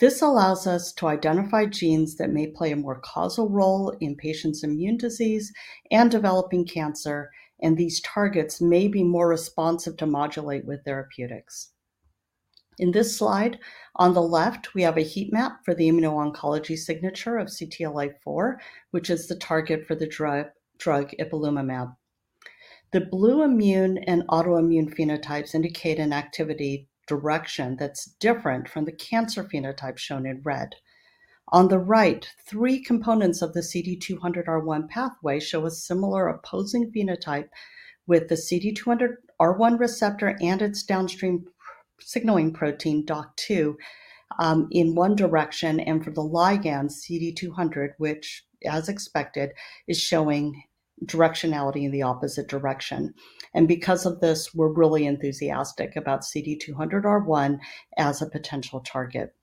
This allows us to identify genes that may play a more causal role in patients' immune disease and developing cancer, and these targets may be more responsive to modulate with therapeutics. In this slide, on the left, we have a heat map for the immuno-oncology signature of CTLA-4, which is the target for the drug ipilimumab. The blue immune and autoimmune phenotypes indicate an activity direction that's different from the cancer phenotype shown in red. On the right, three components of the CD200R1 pathway show a similar opposing phenotype with the CD200R1 receptor and its downstream signaling protein Dok-2 in one direction and for the ligand CD200 which, as expected, is showing directionality in the opposite direction. Because of this, we're really enthusiastic about CD200R1 as a potential target.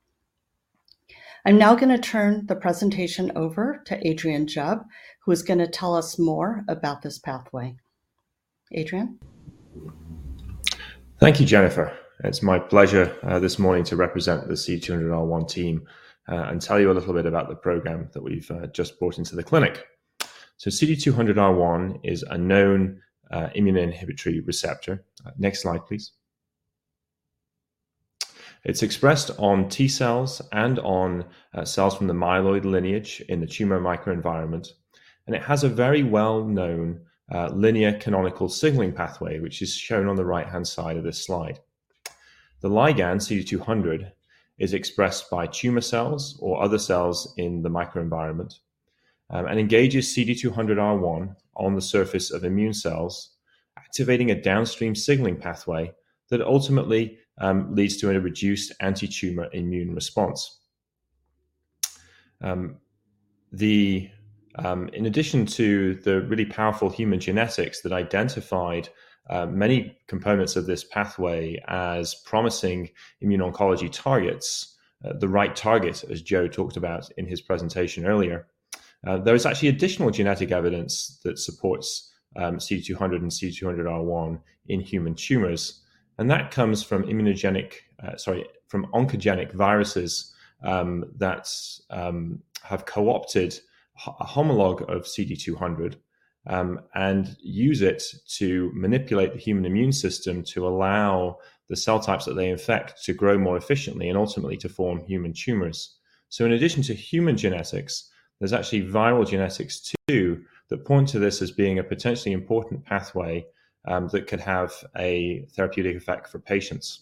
I'm now gonna turn the presentation over to Adrian Jubb, who is gonna tell us more about this pathway. Adrian. Thank you, Jennifer. It's my pleasure this morning to represent the CD200R1 team and tell you a little bit about the program that we've just brought into the clinic. CD200R1 is a known immune inhibitory receptor. Next slide, please. It's expressed on T cells and on cells from the myeloid lineage in the tumor microenvironment, and it has a very well-known linear canonical signaling pathway, which is shown on the right-hand side of this slide. The ligand CD200 is expressed by tumor cells or other cells in the microenvironment and engages CD200R1 on the surface of immune cells, activating a downstream signaling pathway that ultimately leads to a reduced anti-tumor immune response. In addition to the really powerful human genetics that identified many components of this pathway as promising immuno-oncology targets, the right targets, as Joe talked about in his presentation earlier, there is actually additional genetic evidence that supports CD200 and CD200R1 in human tumors. That comes from oncogenic viruses that have co-opted a homolog of CD200 and use it to manipulate the human immune system to allow the cell types that they infect to grow more efficiently and ultimately to form human tumors. In addition to human genetics, there's actually viral genetics too that point to this as being a potentially important pathway that could have a therapeutic effect for patients.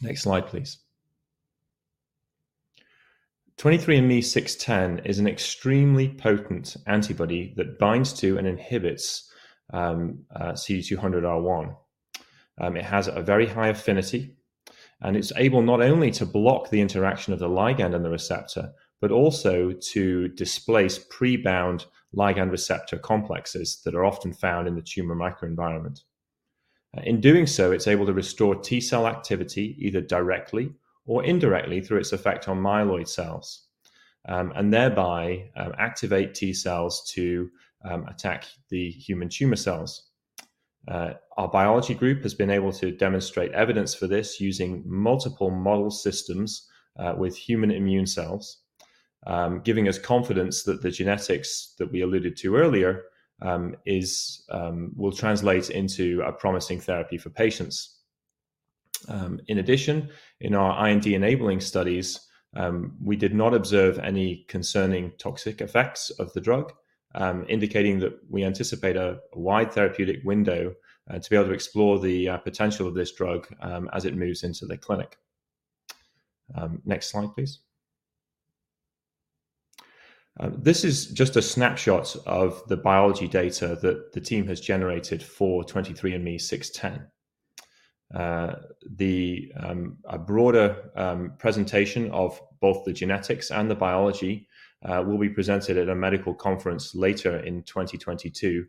Next slide, please. 23ME-00610 is an extremely potent antibody that binds to and inhibits CD200R1. It has a very high affinity, and it's able not only to block the interaction of the ligand and the receptor but also to displace pre-bound ligand receptor complexes that are often found in the tumor microenvironment. In doing so, it's able to restore T cell activity either directly or indirectly through its effect on myeloid cells, and thereby activate T cells to attack the human tumor cells. Our biology group has been able to demonstrate evidence for this using multiple model systems with human immune cells, giving us confidence that the genetics that we alluded to earlier will translate into a promising therapy for patients. In addition, in our IND-enabling studies, we did not observe any concerning toxic effects of the drug, indicating that we anticipate a wide therapeutic window to be able to explore the potential of this drug as it moves into the clinic. Next slide, please. This is just a snapshot of the biology data that the team has generated for 23ME-00610. A broader presentation of both the genetics and the biology will be presented at a medical conference later in 2022.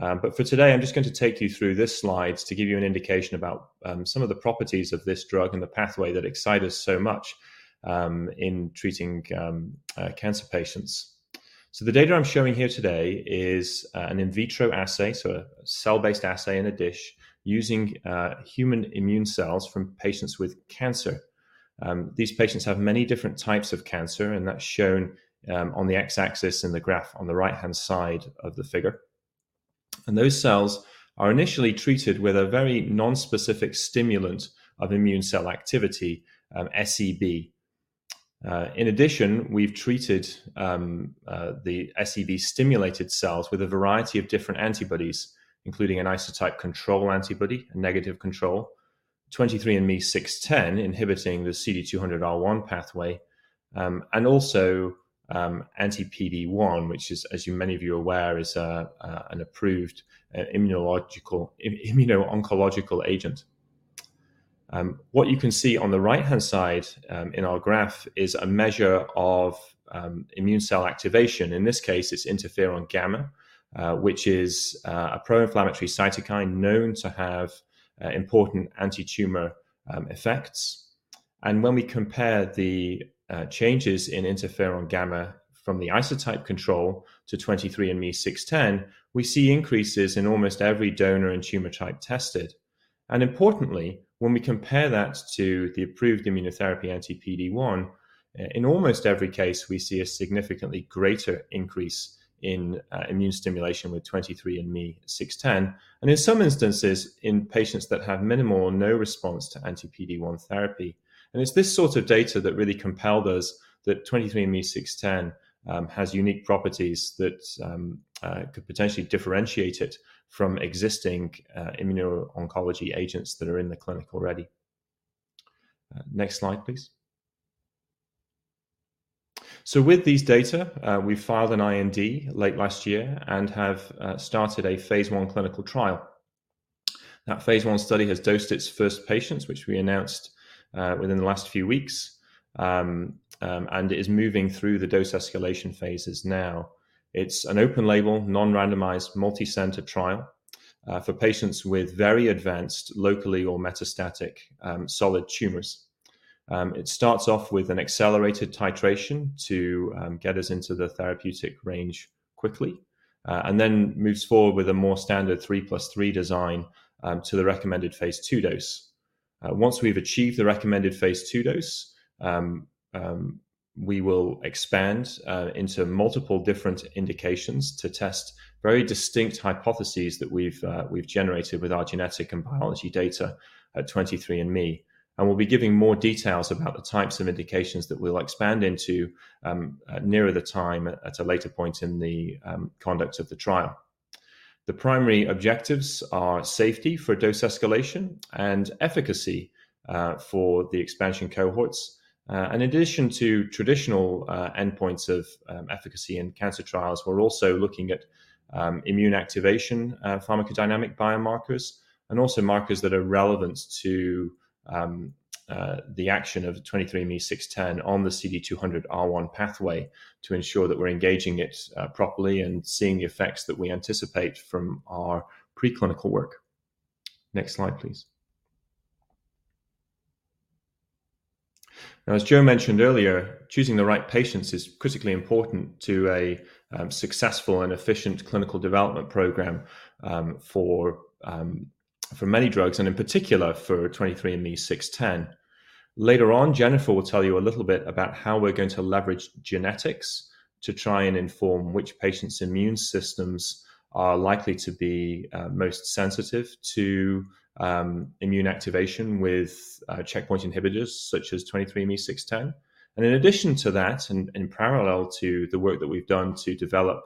For today, I'm just going to take you through this slide to give you an indication about some of the properties of this drug and the pathway that excite us so much in treating cancer patients. The data I'm showing here today is an in vitro assay, a cell-based assay in a dish using human immune cells from patients with cancer. These patients have many different types of cancer, and that's shown on the X-axis in the graph on the right-hand side of the figure. Those cells are initially treated with a very nonspecific stimulant of immune cell activity, SEB. In addition, we've treated the SEB-stimulated cells with a variety of different antibodies, including an isotype control antibody, a negative control, 23ME-00610 inhibiting the CD200R1 pathway, and also, anti-PD-1, which is, as many of you are aware, an approved immuno-oncological agent. What you can see on the right-hand side in our graph is a measure of immune cell activation. In this case, it's interferon gamma, which is a pro-inflammatory cytokine known to have important anti-tumor effects. When we compare the changes in interferon gamma from the isotype control to 23ME-00610, we see increases in almost every donor and tumor type tested. Importantly, when we compare that to the approved immunotherapy anti-PD-1, in almost every case, we see a significantly greater increase in immune stimulation with 23ME-00610, and in some instances, in patients that have minimal or no response to anti-PD-1 therapy. It's this sort of data that really compelled us that 23ME-00610 has unique properties that could potentially differentiate it from existing immuno-oncology agents that are in the clinic already. Next slide, please. With these data, we filed an IND late last year and have started a phase I clinical trial. That phase I study has dosed its first patients, which we announced within the last few weeks, and it is moving through the dose escalation phases now. It's an open-label, non-randomized, multi-center trial for patients with very advanced locally or metastatic solid tumors. It starts off with an accelerated titration to get us into the therapeutic range quickly and then moves forward with a more standard 3 + 3 design to the recommended phase II dose. Once we've achieved the recommended phase II dose, we will expand into multiple different indications to test very distinct hypotheses that we've generated with our genetic and biology data at 23andMe. We'll be giving more details about the types of indications that we'll expand into nearer the time at a later point in the conduct of the trial. The primary objectives are safety for dose escalation and efficacy for the expansion cohorts. In addition to traditional endpoints of efficacy in cancer trials, we're also looking at immune activation, pharmacodynamic biomarkers, and also markers that are relevant to the action of 23andMe-00610 on the CD200R1 pathway to ensure that we're engaging it properly and seeing the effects that we anticipate from our preclinical work. Next slide, please. Now, as Joe mentioned earlier, choosing the right patients is critically important to a successful and efficient clinical development program for many drugs, and in particular for 23andMe-00610. Later on, Jennifer will tell you a little bit about how we're going to leverage genetics to try and inform which patients' immune systems are likely to be most sensitive to immune activation with checkpoint inhibitors such as 23andMe-00610. In addition to that, parallel to the work that we've done to develop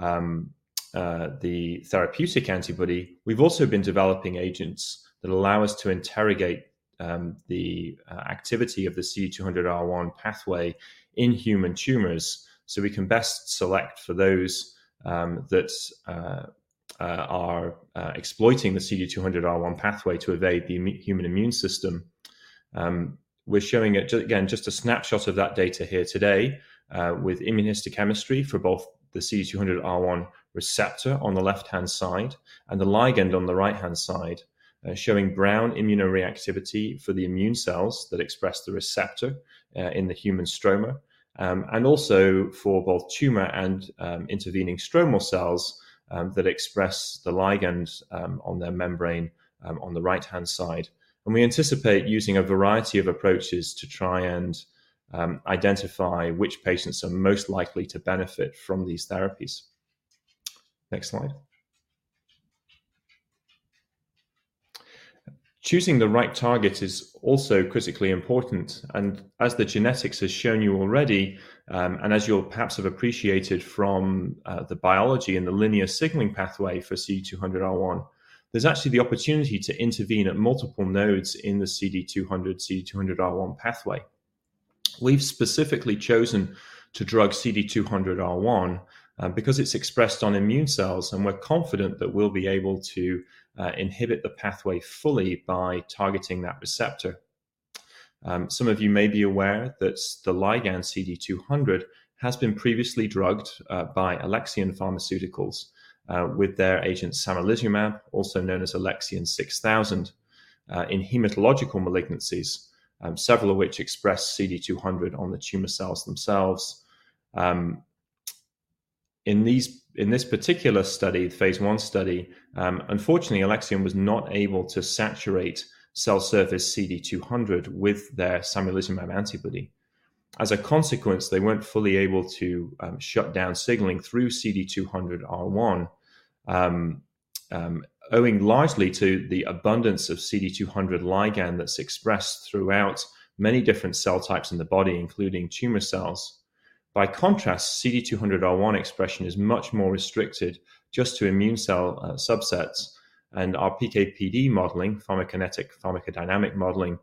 the therapeutic antibody, we've also been developing agents that allow us to interrogate the activity of the CD200R1 pathway in human tumors so we can best select for those that are exploiting the CD200R1 pathway to evade the human immune system. We're showing just a snapshot of that data here today with immunohistochemistry for both the CD200R1 receptor on the left-hand side and the ligand on the right-hand side, showing brown immunoreactivity for the immune cells that express the receptor in the human stroma and also for both tumor and intervening stromal cells that express the ligands on their membrane on the right-hand side. We anticipate using a variety of approaches to try and identify which patients are most likely to benefit from these therapies. Next slide. Choosing the right target is also critically important, and as the genetics has shown you already, and as you perhaps have appreciated from the biology and the ligand signaling pathway for CD200R1, there's actually the opportunity to intervene at multiple nodes in the CD200/CD200R1 pathway. We've specifically chosen to drug CD200R1 because it's expressed on immune cells, and we're confident that we'll be able to inhibit the pathway fully by targeting that receptor. Some of you may be aware that the ligand CD200 has been previously drugged by Alexion Pharmaceuticals with their agent samalizumab, also known as ALXN 6000, in hematological malignancies, several of which express CD200 on the tumor cells themselves. In this particular study, phase I study, unfortunately, Alexion was not able to saturate cell surface CD200 with their samalizumab antibody. As a consequence, they weren't fully able to shut down signaling through CD200R1, owing largely to the abundance of CD200 ligand that's expressed throughout many different cell types in the body, including tumor cells. By contrast, CD200R1 expression is much more restricted just to immune cell subsets, and our PK/PD modeling, pharmacokinetic/pharmacodynamic modeling,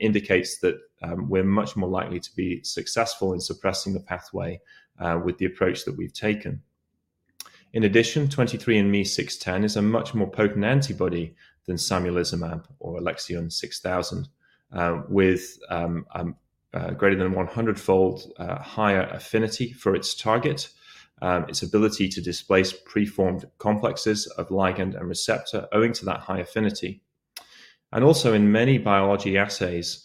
indicates that we're much more likely to be successful in suppressing the pathway with the approach that we've taken. In addition, 23ME-00610 is a much more potent antibody than samalizumab or ALXN 6000, with greater than 100-fold higher affinity for its target, its ability to displace preformed complexes of ligand and receptor owing to that high affinity. Also in many biology assays,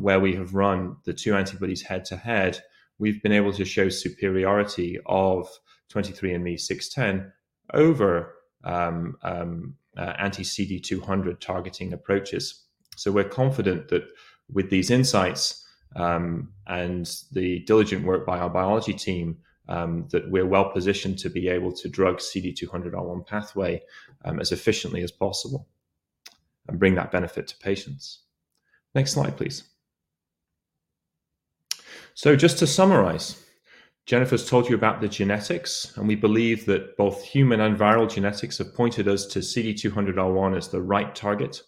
where we have run the two antibodies head-to-head, we've been able to show superiority of 23ME-00610 over anti-CD200 targeting approaches. We're confident that with these insights, and the diligent work by our biology team, that we're well-positioned to be able to drug CD200R1 pathway, as efficiently as possible and bring that benefit to patients. Next slide, please. Just to summarize, Jennifer's told you about the genetics, and we believe that both human and viral genetics have pointed us to CD200R1 as the right target.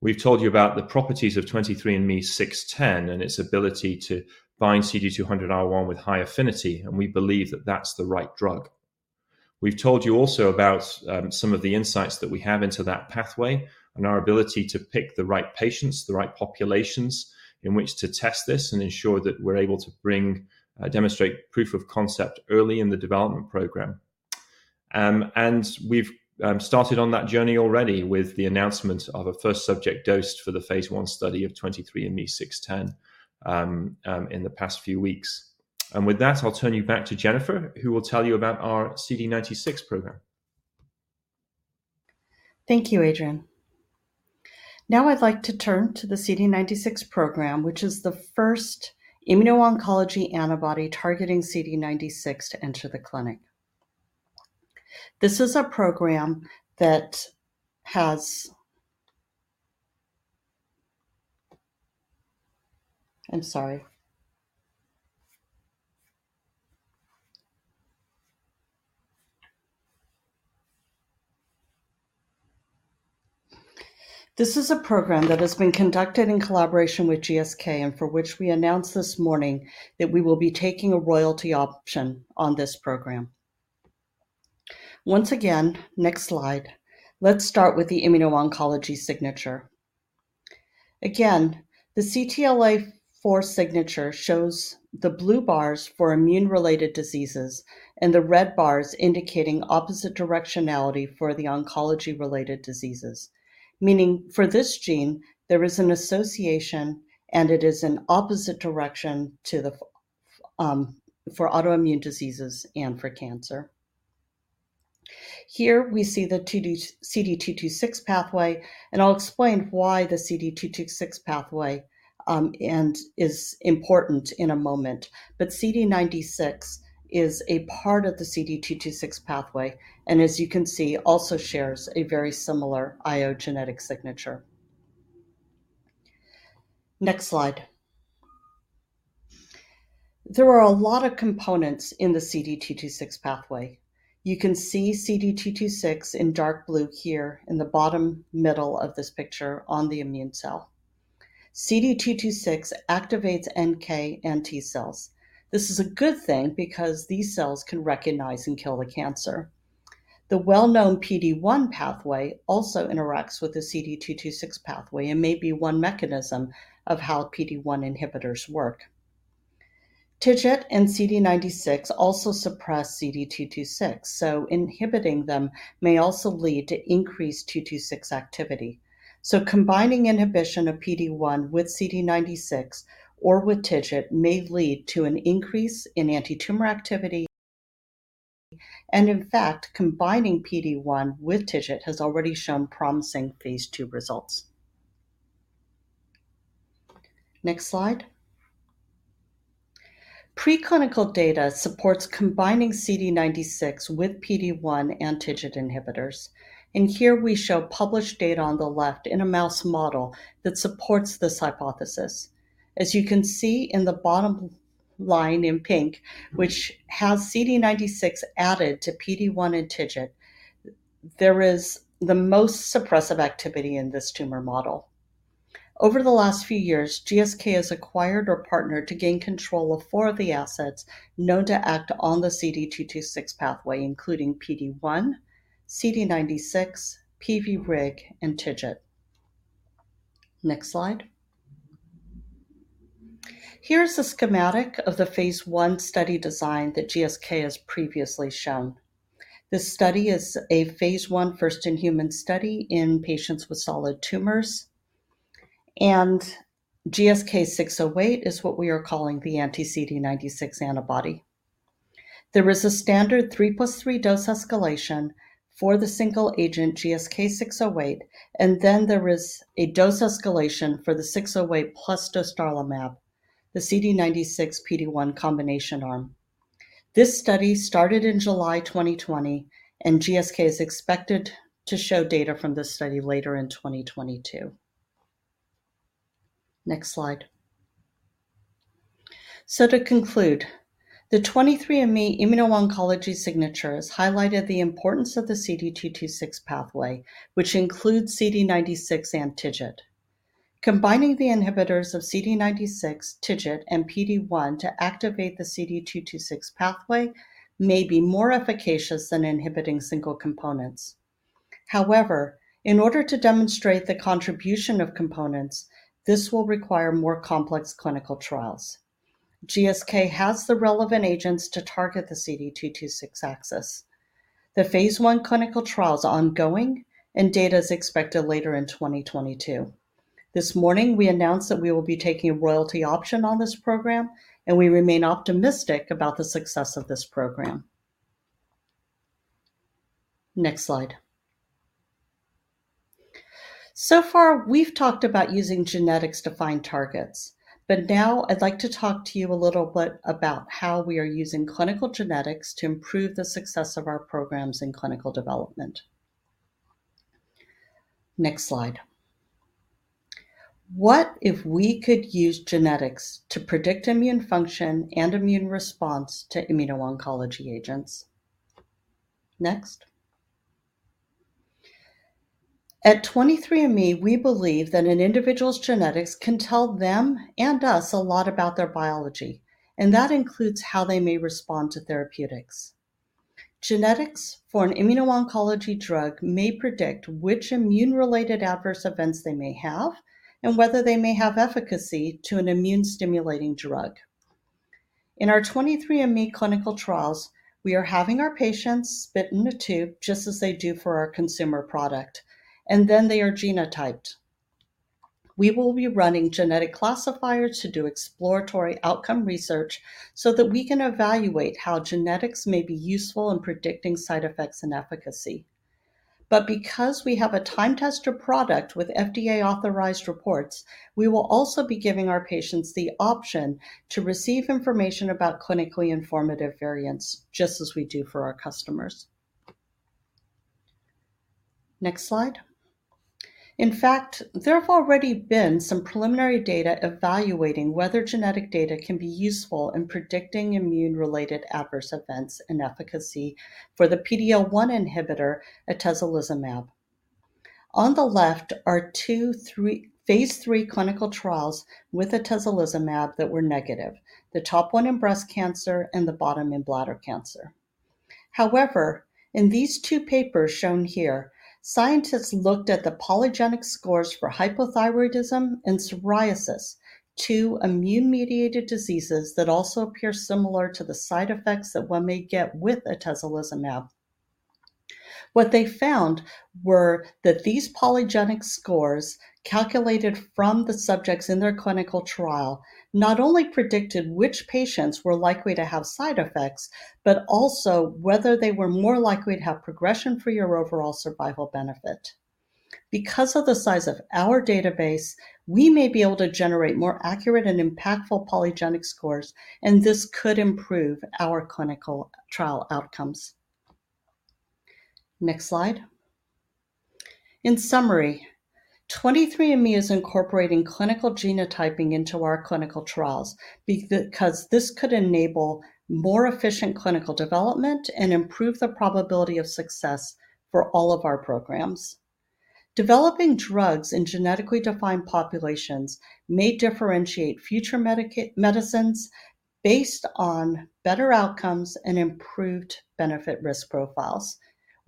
We've told you about the properties of 23ME-00610 and its ability to bind CD200R1 with high affinity, and we believe that that's the right drug. We've told you also about some of the insights that we have into that pathway and our ability to pick the right patients, the right populations in which to test this and ensure that we're able to demonstrate proof of concept early in the development program. We've started on that journey already with the announcement of a first subject dosed for the phase I study of 23ME-00610 in the past few weeks. With that, I'll turn you back to Jennifer Low, who will tell you about our CD96 program. Thank you, Adrian. Now I'd like to turn to the CD96 program, which is the first immuno-oncology antibody targeting CD96 to enter the clinic. This is a program that has been conducted in collaboration with GSK, and for which we announced this morning that we will be taking a royalty option on this program. Once again, next slide. Let's start with the immuno-oncology signature. Again, the CTLA-4 signature shows the blue bars for immune-related diseases and the red bars indicating opposite directionality for the oncology-related diseases. Meaning for this gene, there is an association, and it is an opposite direction for autoimmune diseases and for cancer. Here we see the CD226 pathway, and I'll explain why the CD226 pathway is important in a moment. CD96 is a part of the CD226 pathway, and as you can see, also shares a very similar IO genetic signature. Next slide. There are a lot of components in the CD226 pathway. You can see CD226 in dark blue here in the bottom middle of this picture on the immune cell. CD226 activates NK and T cells. This is a good thing because these cells can recognize and kill the cancer. The well-known PD-1 pathway also interacts with the CD226 pathway and may be one mechanism of how PD-1 inhibitors work. TIGIT and CD96 also suppress CD226, so inhibiting them may also lead to increased CD226 activity. Combining inhibition of PD-1 with CD96 or with TIGIT may lead to an increase in antitumor activity, and in fact, combining PD-1 with TIGIT has already shown promising phase II results. Next slide. Preclinical data supports combining CD96 with PD-1 and TIGIT inhibitors. Here we show published data on the left in a mouse model that supports this hypothesis. As you can see in the bottom line in pink, which has CD96 added to PD-1 and TIGIT, there is the most suppressive activity in this tumor model. Over the last few years, GSK has acquired or partnered to gain control of four of the assets known to act on the CD226 pathway, including PD-1, CD96, PVRIG, and TIGIT. Next slide. Here's a schematic of the phase I study design that GSK has previously shown. This study is a phase I first-in-human study in patients with solid tumors, and GSK'608 is what we are calling the anti-CD96 antibody. There is a standard 3+3 dose escalation for the single agent GSK'608, and then there is a dose escalation for the GSK'608+ dostarlimab, the CD96 PD-1 combination arm. This study started in July 2020, and GSK is expected to show data from this study later in 2022. Next slide. To conclude, the 23andMe immuno-oncology signature has highlighted the importance of the CD226 pathway, which includes CD96 and TIGIT. Combining the inhibitors of CD96, TIGIT, and PD-1 to activate the CD226 pathway may be more efficacious than inhibiting single components. However, in order to demonstrate the contribution of components, this will require more complex clinical trials. GSK has the relevant agents to target the CD226 axis. The phase I clinical trial is ongoing and data is expected later in 2022. This morning, we announced that we will be taking a royalty option on this program, and we remain optimistic about the success of this program. Next slide. So far, we've talked about using genetics to find targets. Now I'd like to talk to you a little bit about how we are using clinical genetics to improve the success of our programs in clinical development. Next slide. What if we could use genetics to predict immune function and immune response to immuno-oncology agents? Next. At 23andMe, we believe that an individual's genetics can tell them and us a lot about their biology, and that includes how they may respond to therapeutics. Genetics for an immuno-oncology drug may predict which immune-related adverse events they may have and whether they may have efficacy to an immune-stimulating drug. In our 23andMe clinical trials, we are having our patients spit in a tube just as they do for our consumer product, and then they are genotyped. We will be running genetic classifiers to do exploratory outcome research so that we can evaluate how genetics may be useful in predicting side effects and efficacy. Because we have a time-tested product with FDA-authorized reports, we will also be giving our patients the option to receive information about clinically informative variants just as we do for our customers. Next slide. In fact, there have already been some preliminary data evaluating whether genetic data can be useful in predicting immune-related adverse events and efficacy for the PD-L1 inhibitor atezolizumab. On the left are two or three phase III clinical trials with atezolizumab that were negative, the top one in breast cancer and the bottom in bladder cancer. However, in these two papers shown here, scientists looked at the polygenic scores for hypothyroidism and psoriasis, two immune-mediated diseases that also appear similar to the side effects that one may get with atezolizumab. What they found were that these polygenic scores calculated from the subjects in their clinical trial not only predicted which patients were likely to have side effects, but also whether they were more likely to have progression-free or overall survival benefit. Because of the size of our database, we may be able to generate more accurate and impactful polygenic scores, and this could improve our clinical trial outcomes. Next slide. In summary, 23andMe is incorporating clinical genotyping into our clinical trials because this could enable more efficient clinical development and improve the probability of success for all of our programs. Developing drugs in genetically defined populations may differentiate future medicines based on better outcomes and improved benefit/risk profiles.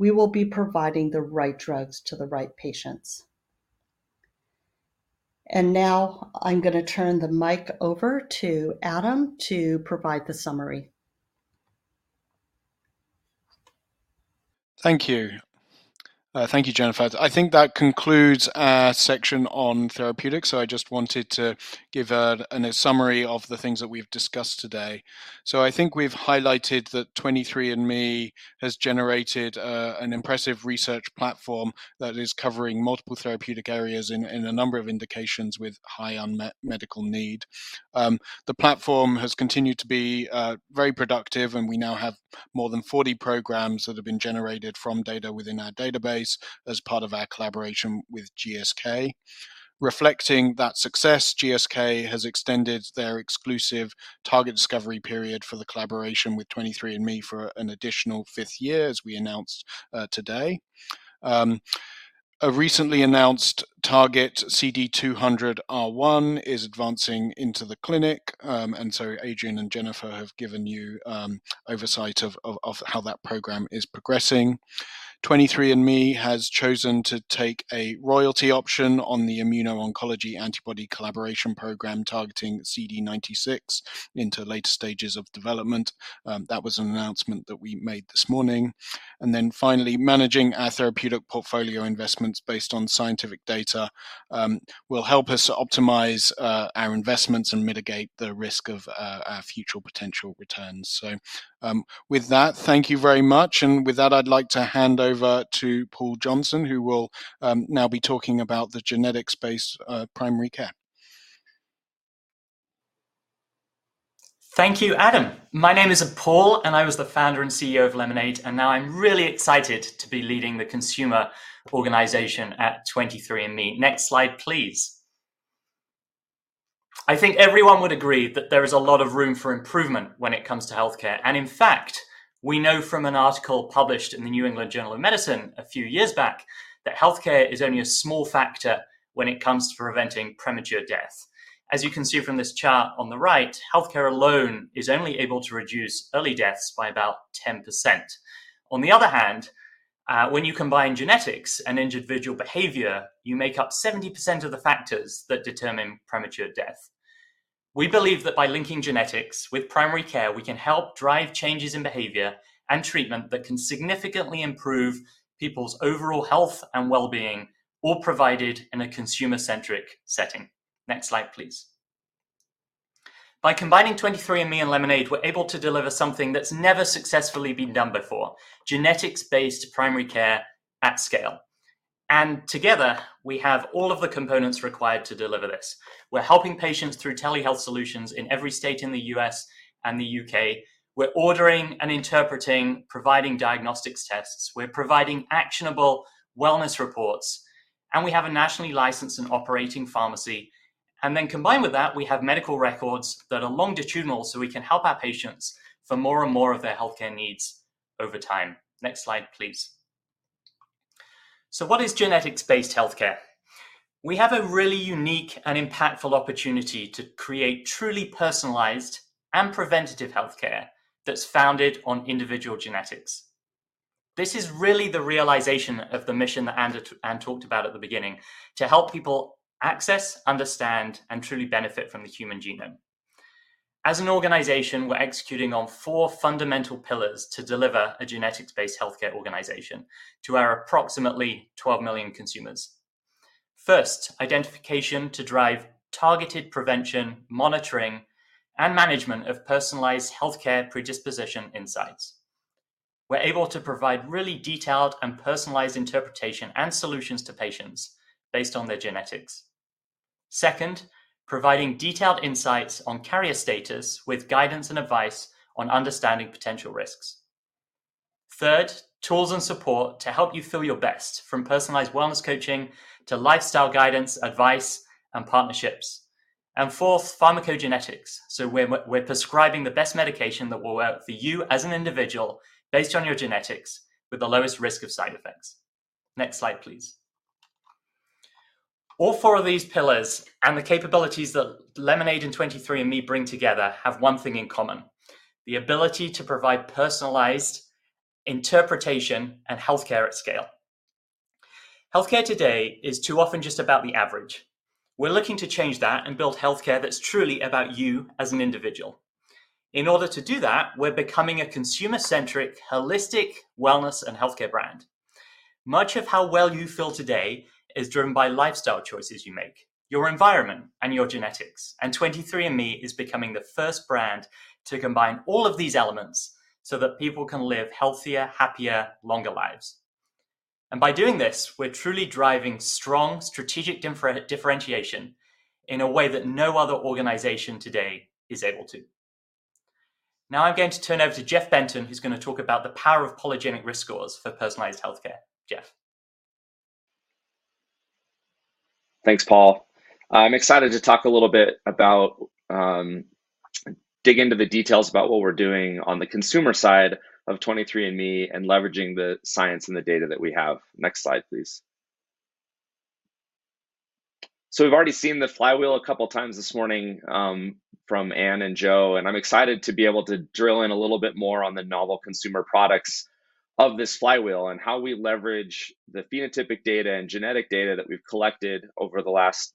We will be providing the right drugs to the right patients. Now I'm going to turn the mic over to Adam to provide the summary. Thank you. Thank you, Jennifer. I think that concludes our section on therapeutics, so I just wanted to give a summary of the things that we've discussed today. I think we've highlighted that 23andMe has generated an impressive research platform that is covering multiple therapeutic areas in a number of indications with high unmet medical need. The platform has continued to be very productive, and we now have more than 40 programs that have been generated from data within our database as part of our collaboration with GSK. Reflecting that success, GSK has extended their exclusive target discovery period for the collaboration with 23andMe for an additional fifth year, as we announced today. A recently announced target, CD200R1, is advancing into the clinic. Adrian and Jennifer have given you oversight of how that program is progressing. 23andMe has chosen to take a royalty option on the immuno-oncology antibody collaboration program targeting CD96 into later stages of development. That was an announcement that we made this morning. Finally, managing our therapeutic portfolio investments based on scientific data will help us optimize our investments and mitigate the risk of our future potential returns. With that, thank you very much. With that, I'd like to hand over to Paul Johnson, who will now be talking about the genetics-based primary care. Thank you, Adam. My name is Paul, and I was the Founder and CEO of Lemonaid, and now I'm really excited to be leading the consumer organization at 23andMe. Next slide, please. I think everyone would agree that there is a lot of room for improvement when it comes to healthcare. In fact, we know from an article published in the New England Journal of Medicine a few years back that healthcare is only a small factor when it comes to preventing premature death. As you can see from this chart on the right, healthcare alone is only able to reduce early deaths by about 10%. On the other hand, when you combine genetics and individual behavior, you make up 70% of the factors that determine premature death. We believe that by linking genetics with primary care, we can help drive changes in behavior and treatment that can significantly improve people's overall health and well-being, all provided in a consumer-centric setting. Next slide, please. By combining 23andMe and Lemonaid, we're able to deliver something that's never successfully been done before, genetics-based primary care at scale. Together, we have all of the components required to deliver this. We're helping patients through telehealth solutions in every state in the U.S. and the U.K. We're ordering and interpreting, providing diagnostic tests. We're providing actionable wellness reports, and we have a nationally licensed and operating pharmacy. Combined with that, we have medical records that are longitudinal, so we can help our patients for more and more of their healthcare needs over time. Next slide, please. What is genetics-based healthcare? We have a really unique and impactful opportunity to create truly personalized and preventative healthcare that's founded on individual genetics. This is really the realization of the mission that Anne talked about at the beginning to help people access, understand, and truly benefit from the human genome. As an organization, we're executing on four fundamental pillars to deliver a genetics-based healthcare organization to our approximately 12 million consumers. First, identification to drive targeted prevention, monitoring, and management of personalized healthcare predisposition insights. We're able to provide really detailed and personalized interpretation and solutions to patients based on their genetics. Second, providing detailed insights on carrier status with guidance and advice on understanding potential risks. Third, tools and support to help you feel your best, from personalized wellness coaching to lifestyle guidance, advice, and partnerships. Fourth, pharmacogenetics. We're prescribing the best medication that will work for you as an individual based on your genetics with the lowest risk of side effects. Next slide, please. All four of these pillars and the capabilities that Lemonaid and 23andMe bring together have one thing in common, the ability to provide personalized interpretation and healthcare at scale. Healthcare today is too often just about the average. We're looking to change that and build healthcare that's truly about you as an individual. In order to do that, we're becoming a consumer-centric, holistic wellness and healthcare brand. Much of how well you feel today is driven by lifestyle choices you make, your environment and your genetics, and 23andMe is becoming the first brand to combine all of these elements so that people can live healthier, happier, longer lives. By doing this, we're truly driving strong strategic differentiation in a way that no other organization today is able to. Now I'm going to turn over to Jeff Benton, who's gonna talk about the power of polygenic risk scores for personalized healthcare. Jeff. Thanks, Paul. I'm excited to talk a little bit about, dig into the details about what we're doing on the consumer side of 23andMe and leveraging the science and the data that we have. Next slide, please. We've already seen the flywheel a couple times this morning from Anne and Joe, and I'm excited to be able to drill in a little bit more on the novel consumer products of this flywheel and how we leverage the phenotypic data and genetic data that we've collected over the last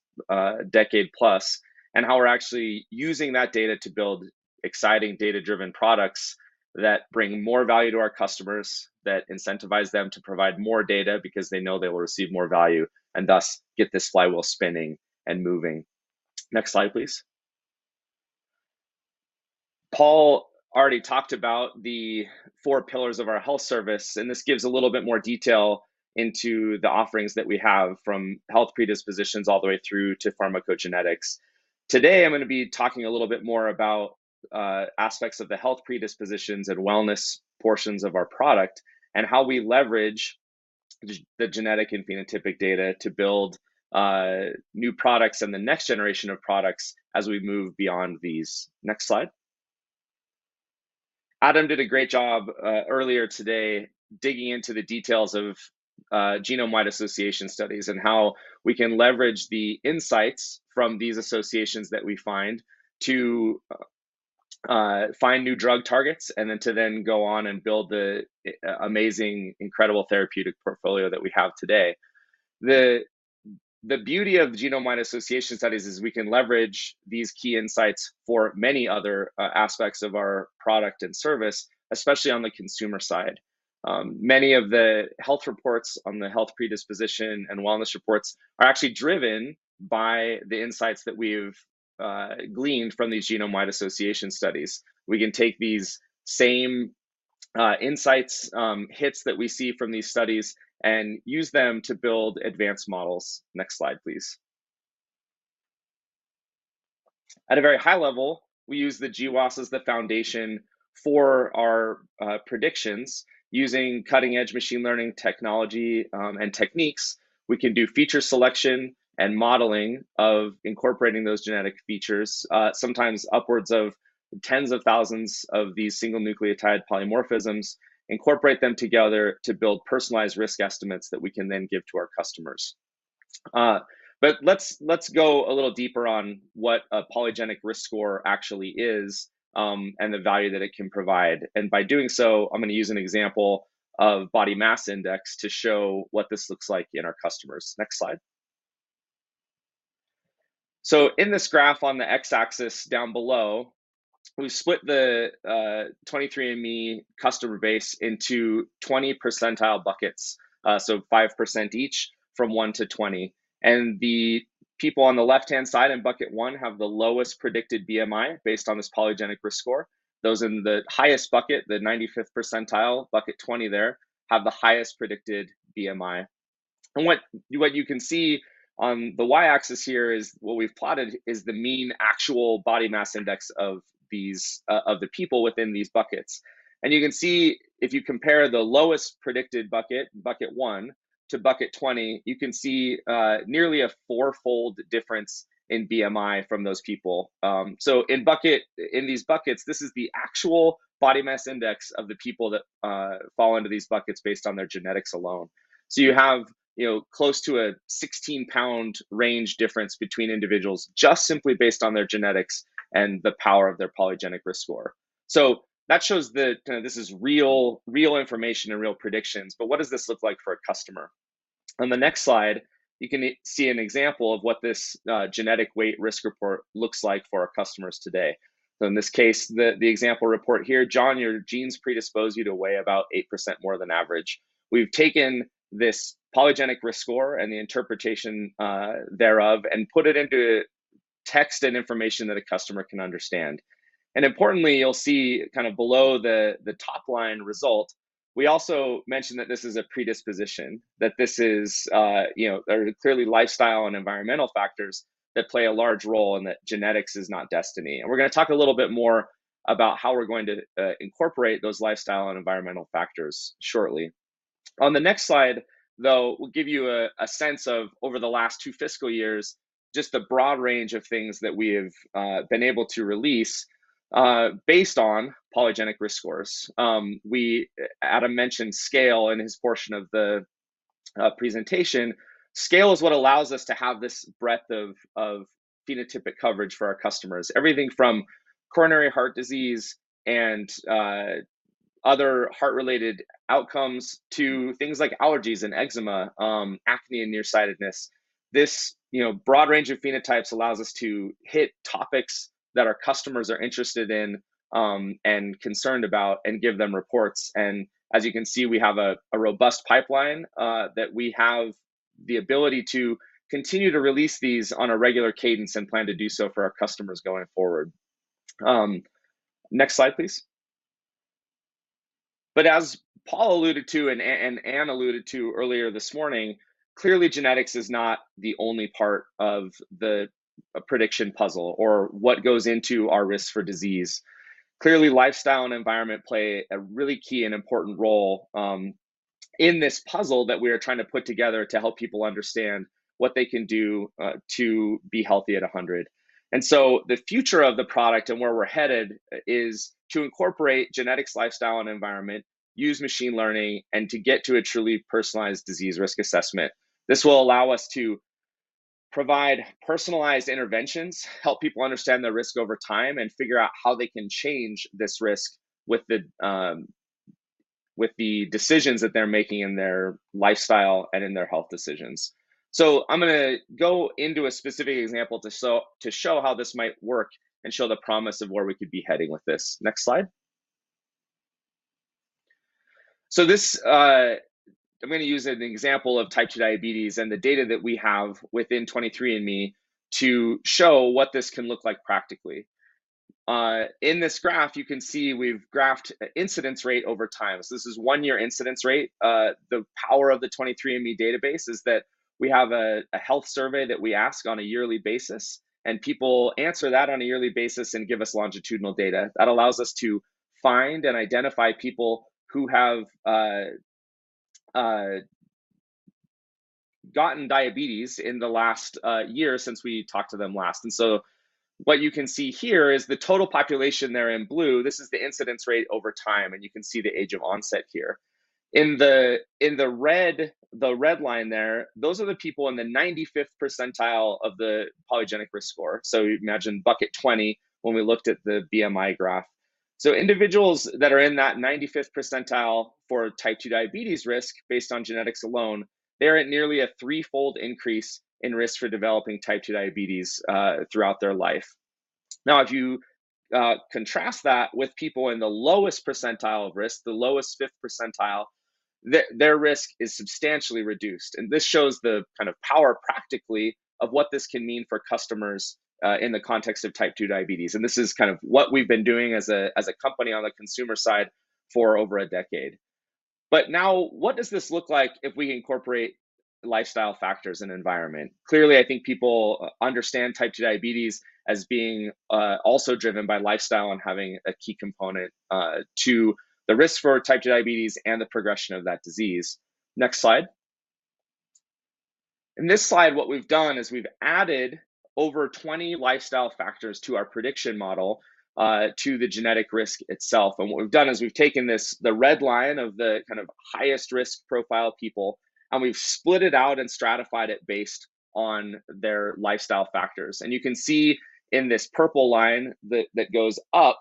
decade plus, and how we're actually using that data to build exciting data-driven products that bring more value to our customers, that incentivize them to provide more data because they know they will receive more value and thus get this flywheel spinning and moving. Next slide please. Paul already talked about the four pillars of our health service and this gives a little bit more detail into the offerings that we have from health predispositions all the way through to pharmacogenetics. Today, I'm gonna be talking a little bit more about aspects of the health predispositions and wellness portions of our product and how we leverage the genetic and phenotypic data to build new products and the next generation of products as we move beyond these. Next slide. Adam did a great job earlier today digging into the details of genome-wide association studies and how we can leverage the insights from these associations that we find to find new drug targets and then to go on and build the amazing, incredible therapeutic portfolio that we have today. The beauty of genome-wide association studies is we can leverage these key insights for many other aspects of our product and service, especially on the consumer side. Many of the health reports on the health predisposition and wellness reports are actually driven by the insights that we've gleaned from these genome-wide association studies. We can take these same insights, hits that we see from these studies and use them to build advanced models. Next slide, please. At a very high level, we use the GWAS as the foundation for our predictions using cutting-edge machine learning technology and techniques. We can do feature selection and modeling of incorporating those genetic features, sometimes upwards of tens of thousands of these single nucleotide polymorphisms, incorporate them together to build personalized risk estimates that we can then give to our customers. Let's go a little deeper on what a polygenic risk score actually is, and the value that it can provide. By doing so, I'm gonna use an example of body mass index to show what this looks like in our customers. Next slide. In this graph on the X-axis down below, we've split the 23andMe customer base into 20th percentile buckets, so 5% each from one to 20. The people on the left-hand side in bucket one have the lowest predicted BMI based on this polygenic risk score. Those in the highest bucket, the 95th percentile, bucket 20 there, have the highest predicted BMI. What you can see on the Y-axis here is what we've plotted is the mean actual body mass index of the people within these buckets. You can see if you compare the lowest predicted bucket one to bucket 20, you can see nearly a fourfold difference in BMI from those people. In these buckets, this is the actual body mass index of the people that fall into these buckets based on their genetics alone. You have, you know, close to a 16-pound range difference between individuals just simply based on their genetics and the power of their polygenic risk score. That shows that this is real information and real predictions, but what does this look like for a customer? On the next slide, you can see an example of what this genetic weight risk report looks like for our customers today. In this case, the example report here, "John, your genes predispose you to weigh about 8% more than average." We've taken this polygenic risk score and the interpretation thereof and put it into text and information that a customer can understand. Importantly, you'll see kind of below the top line result, we also mentioned that this is a predisposition, that this is, you know, there are clearly lifestyle and environmental factors that play a large role and that genetics is not destiny. We're gonna talk a little bit more about how we're going to incorporate those lifestyle and environmental factors shortly. On the next slide, though, we'll give you a sense of over the last two fiscal years, just the broad range of things that we have been able to release based on polygenic risk scores. Adam mentioned scale in his portion of the presentation. Scale is what allows us to have this breadth of phenotypic coverage for our customers, everything from coronary heart disease and other heart-related outcomes to things like allergies and eczema, acne and nearsightedness. This, you know, broad range of phenotypes allows us to hit topics that our customers are interested in and concerned about and give them reports. As you can see, we have a robust pipeline that we have the ability to continue to release these on a regular cadence and plan to do so for our customers going forward. Next slide please. As Paul alluded to and Anne alluded to earlier this morning, clearly genetics is not the only part of the prediction puzzle or what goes into our risk for disease. Clearly, lifestyle and environment play a really key and important role in this puzzle that we are trying to put together to help people understand what they can do to be healthy at a hundred. The future of the product and where we're headed is to incorporate genetics, lifestyle and environment, use machine learning, and to get to a truly personalized disease risk assessment. This will allow us to provide personalized interventions, help people understand their risk over time, and figure out how they can change this risk with the decisions that they're making in their lifestyle and in their health decisions. I'm gonna go into a specific example to show how this might work and show the promise of where we could be heading with this. Next slide. This, I'm gonna use an example of type 2 diabetes and the data that we have within 23andMe to show what this can look like practically. In this graph you can see we've graphed incidence rate over time. This is one year incidence rate. The power of the 23andMe database is that we have a health survey that we ask on a yearly basis, and people answer that on a yearly basis and give us longitudinal data. That allows us to find and identify people who have gotten diabetes in the last year since we talked to them last. What you can see here is the total population there in blue. This is the incidence rate over time, and you can see the age of onset here. In the red line there, those are the people in the 95th percentile of the polygenic risk score. Imagine bucket 20 when we looked at the BMI graph. Individuals that are in that 95th percentile for type 2 diabetes risk based on genetics alone, they're at nearly a threefold increase in risk for developing type 2 diabetes throughout their life. If you contrast that with people in the lowest percentile of risk, the lowest 5th percentile, their risk is substantially reduced. This shows the kind of power practically of what this can mean for customers in the context of type 2 diabetes. This is kind of what we've been doing as a company on the consumer side for over a decade. Now what does this look like if we incorporate lifestyle factors and environment? Clearly, I think people understand type 2 diabetes as being also driven by lifestyle and having a key component to the risk for type 2 diabetes and the progression of that disease. Next slide. In this slide, what we've done is we've added over 20 lifestyle factors to our prediction model to the genetic risk itself. What we've done is we've taken this, the red line of the kind of highest risk profile people, and we've split it out and stratified it based on their lifestyle factors. You can see in this purple line that goes up,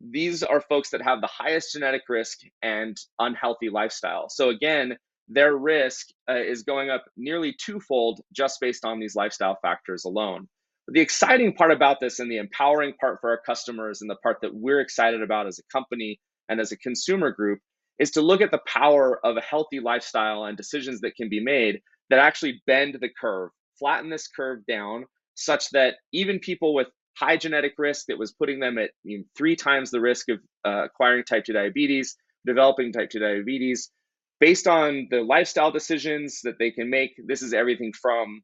these are folks that have the highest genetic risk and unhealthy lifestyle. Again, their risk is going up nearly twofold just based on these lifestyle factors alone. The exciting part about this and the empowering part for our customers and the part that we're excited about as a company and as a consumer group is to look at the power of a healthy lifestyle and decisions that can be made that actually bend the curve, flatten this curve down, such that even people with high genetic risk that was putting them at, you know, three times the risk of acquiring type 2 diabetes, developing type 2 diabetes based on the lifestyle decisions that they can make. This is everything from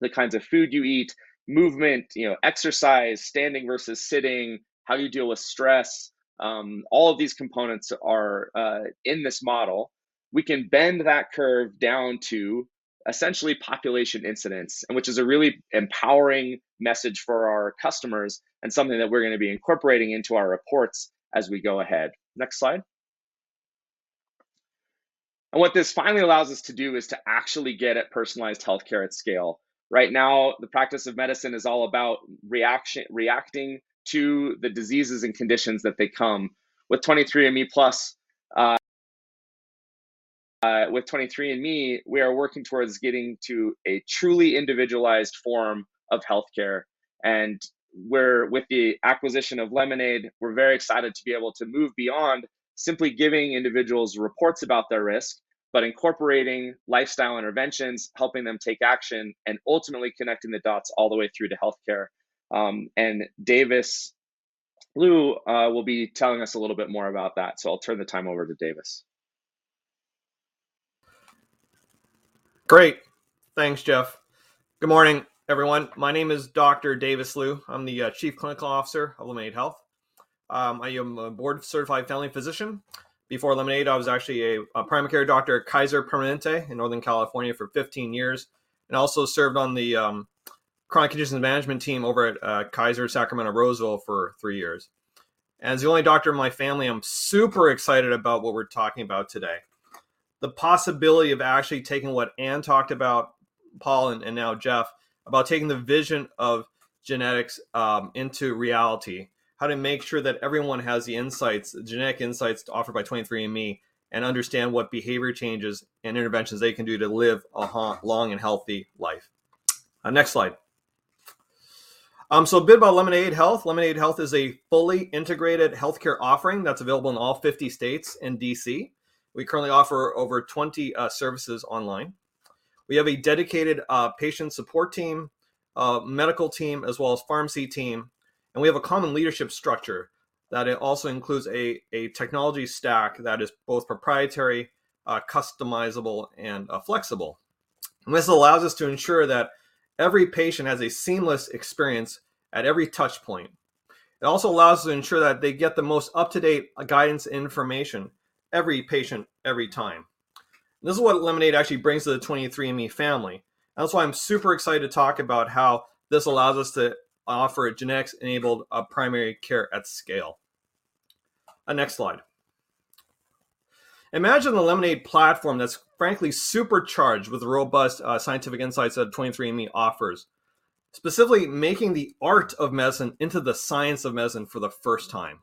the kinds of food you eat, movement, you know, exercise, standing versus sitting, how you deal with stress. All of these components are in this model. We can bend that curve down to essentially population incidence and which is a really empowering message for our customers and something that we're gonna be incorporating into our reports as we go ahead. Next slide. What this finally allows us to do is to actually get at personalized healthcare at scale. Right now, the practice of medicine is all about reacting to the diseases and conditions that they come. With 23andMe+, with 23andMe, we are working towards getting to a truly individualized form of healthcare. With the acquisition of Lemonaid, we're very excited to be able to move beyond simply giving individuals reports about their risk, but incorporating lifestyle interventions, helping them take action, and ultimately connecting the dots all the way through to healthcare. Davis Liu will be telling us a little bit more about that, so I'll turn the time over to Davis. Great. Thanks, Jeff. Good morning, everyone. My name is Dr. Davis Liu. I'm the Chief Clinical Officer of Lemonaid Health. I am a board-certified family physician. Before Lemonaid, I was actually a primary care doctor at Kaiser Permanente in Northern California for 15 years and also served on the chronic disease management team over at Kaiser Sacramento Roseville for three years. As the only doctor in my family, I'm super excited about what we're talking about today. The possibility of actually taking what Anne talked about, Paul and now Jeff, about taking the vision of genetics into reality, how to make sure that everyone has the insights, genetic insights offered by 23andMe, and understand what behavior changes and interventions they can do to live a long and healthy life. Next slide. A bit about Lemonaid Health. Lemonaid Health is a fully integrated healthcare offering that's available in all 50 states and D.C. We currently offer over 20 services online. We have a dedicated patient support team, medical team, as well as pharmacy team, and we have a common leadership structure that it also includes a technology stack that is both proprietary, customizable and flexible. This allows us to ensure that every patient has a seamless experience at every touchpoint. It also allows us to ensure that they get the most up-to-date guidance and information, every patient, every time. This is what Lemonaid actually brings to the 23andMe family, and that's why I'm super excited to talk about how this allows us to offer a genetics-enabled primary care at scale. Next slide. Imagine the Lemonaid platform that's frankly supercharged with the robust, scientific insights that 23andMe offers, specifically making the art of medicine into the science of medicine for the first time.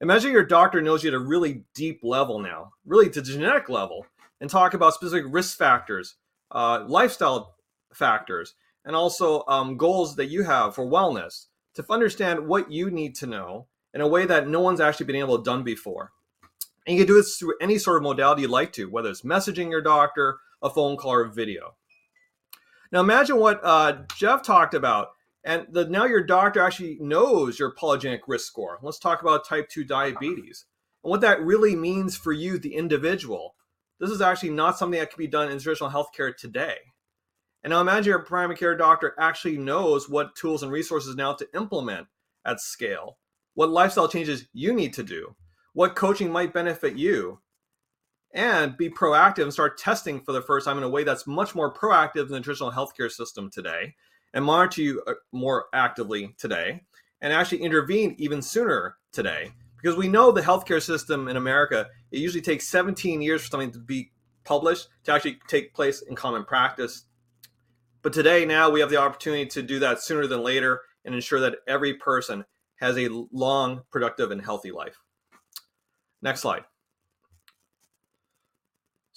Imagine your doctor knows you at a really deep level now, really at the genetic level, and talk about specific risk factors, lifestyle factors, and also, goals that you have for wellness to understand what you need to know in a way that no one's actually been able, done before. You can do this through any sort of modality you'd like to, whether it's messaging your doctor, a phone call, or a video. Now imagine what Jeff talked about and that now your doctor actually knows your polygenic risk score. Let's talk about type 2 diabetes and what that really means for you, the individual. This is actually not something that can be done in traditional healthcare today. Now imagine your primary care doctor actually knows what tools and resources now to implement at scale, what lifestyle changes you need to do, what coaching might benefit you, and be proactive and start testing for the first time in a way that's much more proactive than the traditional healthcare system today and monitor you, more actively today and actually intervene even sooner today. Because we know the healthcare system in America, it usually takes 17 years for something to be published to actually take place in common practice. Today, now, we have the opportunity to do that sooner than later and ensure that every person has a long, productive, and healthy life. Next slide.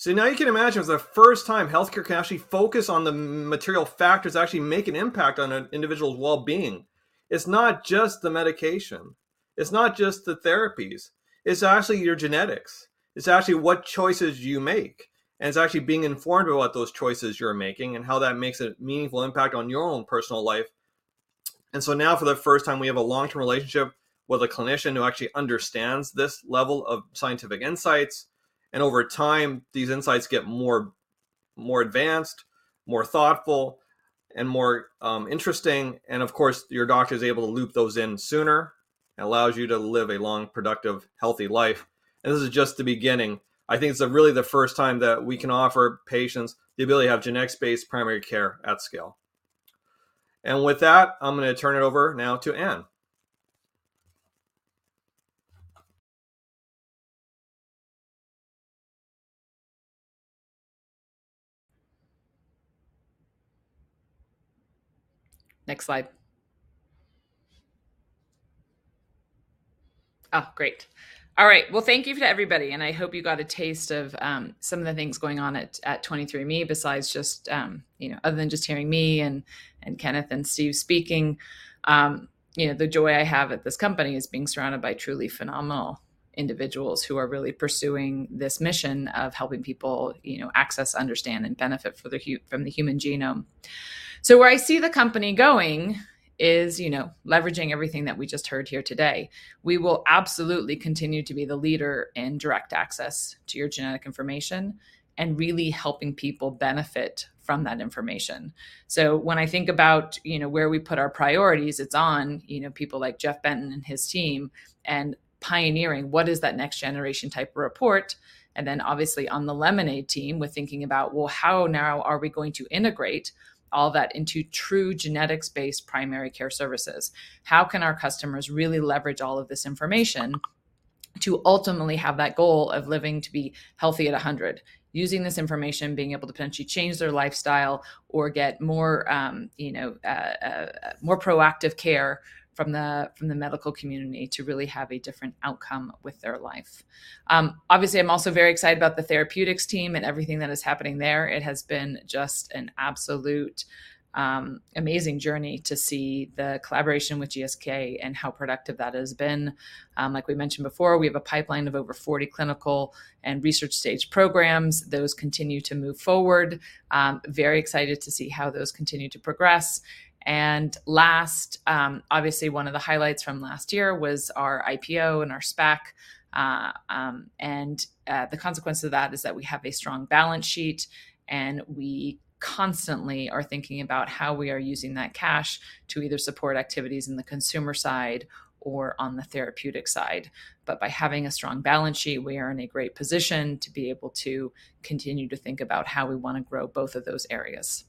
Now you can imagine it's the first time healthcare can actually focus on the material factors that actually make an impact on an individual's wellbeing. It's not just the medication. It's not just the therapies. It's actually your genetics. It's actually what choices you make, and it's actually being informed about those choices you're making and how that makes a meaningful impact on your own personal life. Now for the first time we have a long-term relationship with a clinician who actually understands this level of scientific insights, and over time, these insights get more advanced, more thoughtful, and more interesting. Of course, your doctor's able to loop those in sooner. It allows you to live a long, productive, healthy life. This is just the beginning. I think it's really the first time that we can offer patients the ability to have genetics-based primary care at scale. With that, I'm gonna turn it over now to Anne. Next slide. Great. All right. Well, thank you to everybody, and I hope you got a taste of some of the things going on at 23andMe besides just, you know, other than just hearing me and Kenneth and Steve speaking. You know, the joy I have at this company is being surrounded by truly phenomenal individuals who are really pursuing this mission of helping people, you know, access, understand, and benefit from the human genome. Where I see the company going is, you know, leveraging everything that we just heard here today. We will absolutely continue to be the leader in direct access to your genetic information and really helping people benefit from that information. When I think about, you know, where we put our priorities, it's on, you know, people like Jeff Benton and his team and pioneering what is that next generation type of report. Obviously on the Lemonaid team, we're thinking about, well, how now are we going to integrate all that into true genetics-based primary care services. How can our customers really leverage all of this information to ultimately have that goal of living to be healthy at 100, using this information, being able to potentially change their lifestyle or get more, you know, more proactive care from the medical community to really have a different outcome with their life. Obviously I'm also very excited about the therapeutics team and everything that is happening there. It has been just an absolute, amazing journey to see the collaboration with GSK and how productive that has been. Like we mentioned before, we have a pipeline of over 40 clinical and research stage programs. Those continue to move forward. Very excited to see how those continue to progress. Last, obviously one of the highlights from last year was our IPO and our SPAC. The consequence of that is that we have a strong balance sheet, and we constantly are thinking about how we are using that cash to either support activities in the consumer side or on the therapeutic side. By having a strong balance sheet, we are in a great position to be able to continue to think about how we wanna grow both of those areas.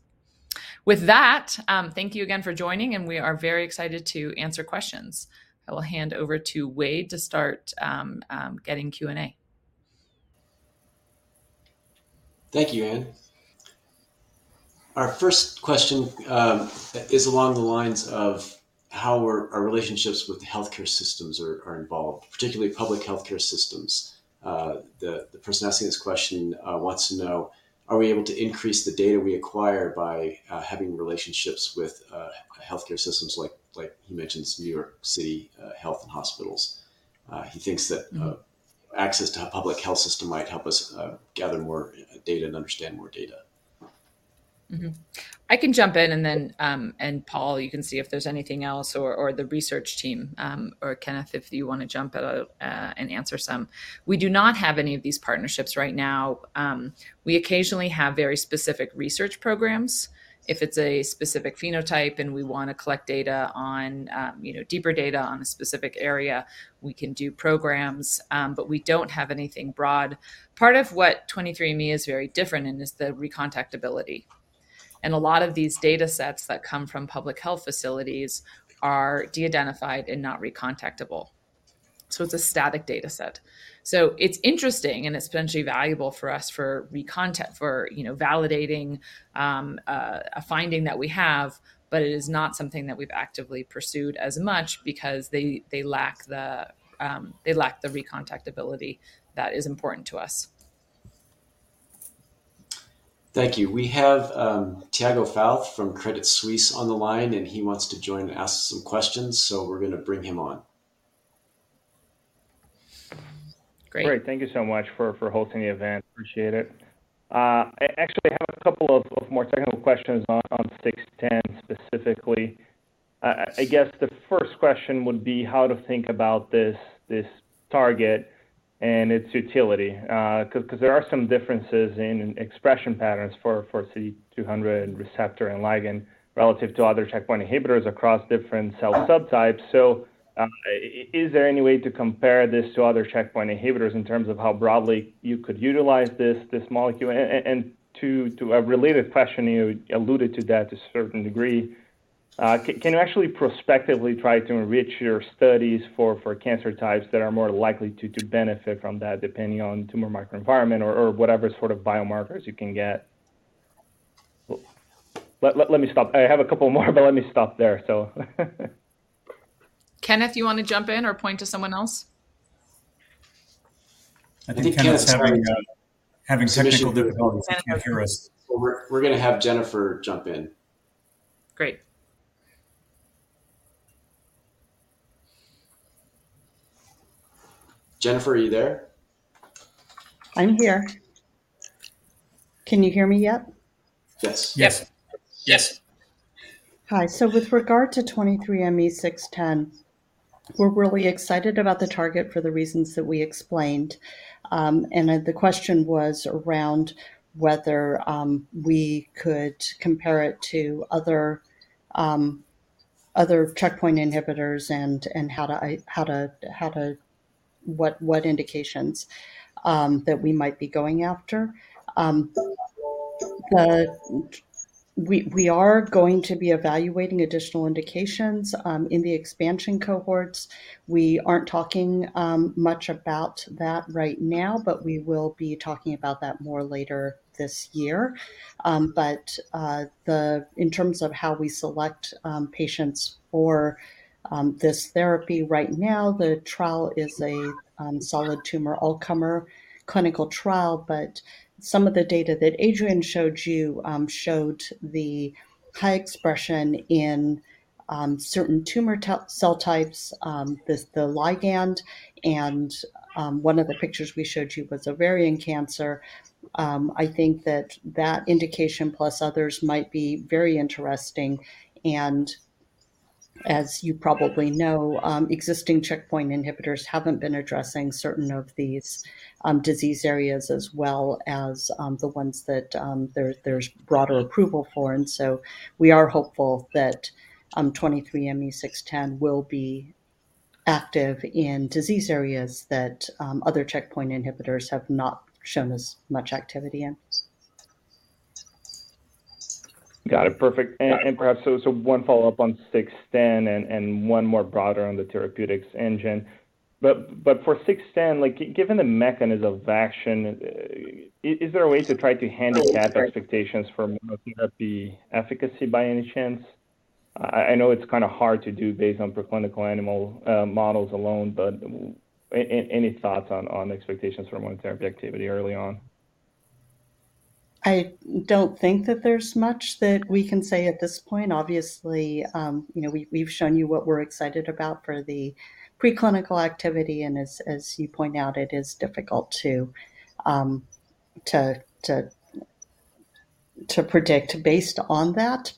With that, thank you again for joining, and we are very excited to answer questions. I will hand over to Wade to start, getting Q&A. Thank you, Anne. Our first question is along the lines of how our relationships with healthcare systems are involved, particularly public healthcare systems. The person asking this question wants to know, are we able to increase the data we acquire by having relationships with healthcare systems like he mentions New York City Health and Hospitals. He thinks that- Mm-hmm... access to a public health system might help us gather more data and understand more data. Mm-hmm. I can jump in and then and Paul, you can see if there's anything else, or the research team, or Kenneth, if you wanna jump in and answer some. We do not have any of these partnerships right now. We occasionally have very specific research programs. If it's a specific phenotype and we wanna collect data on, you know, deeper data on a specific area, we can do programs. We don't have anything broad. Part of what 23andMe is very different in is the re-contactability, and a lot of these data sets that come from public health facilities are de-identified and not re-contactable, so it's a static data set. It's interesting, and it's potentially valuable for us for, you know, validating a finding that we have, but it is not something that we've actively pursued as much because they lack the re-contactability that is important to us. Thank you. We have Tiago Fauth from Credit Suisse on the line, and he wants to join and ask some questions, so we're gonna bring him on. Great. Great. Thank you so much for hosting the event. Appreciate it. Actually, I have a couple of more technical questions on 610 specifically. I guess the first question would be how to think about this target and its utility, 'cause there are some differences in expression patterns for CD200 receptor and ligand relative to other checkpoint inhibitors across different cell subtypes. Is there any way to compare this to other checkpoint inhibitors in terms of how broadly you could utilize this molecule? And to a related question, you alluded to that to a certain degree. Can you actually prospectively try to enrich your studies for cancer types that are more likely to benefit from that depending on tumor microenvironment or whatever sort of biomarkers you can get? Let me stop. I have a couple more, but let me stop there. Kenneth, you wanna jump in or point to someone else? I think Kenneth's having a- I think Kenneth's having technical difficulties. He can't hear us. We're gonna have Jennifer jump in. Great. Jennifer, are you there? I'm here. Can you hear me yet? Yes. Yes. Hi. With regard to 23ME-00610, we're really excited about the target for the reasons that we explained. The question was around whether we could compare it to other checkpoint inhibitors and what indications that we might be going after. We are going to be evaluating additional indications in the expansion cohorts. We aren't talking much about that right now, but we will be talking about that more later this year. In terms of how we select patients for this therapy right now, the trial is a solid tumor all-comer clinical trial, but some of the data that Adrian showed you showed the high expression in certain tumor cell types, the ligand, and one of the pictures we showed you was ovarian cancer. I think that indication plus others might be very interesting. As you probably know, existing checkpoint inhibitors haven't been addressing certain of these disease areas as well as the ones that there's broader approval for. We are hopeful that 23Me-00610 will be active in disease areas that other checkpoint inhibitors have not shown as much activity in. Got it. Perfect. Perhaps so one follow-up on 23Me-00610 and one more broader on the therapeutics engine. For 23Me-00610, like given the mechanism of action, is there a way to try to handicap expectations for monotherapy efficacy by any chance? I know it's kind of hard to do based on preclinical animal models alone, but any thoughts on expectations for monotherapy activity early on? I don't think that there's much that we can say at this point. Obviously, you know, we've shown you what we're excited about for the preclinical activity, and as you point out, it is difficult to predict based on that.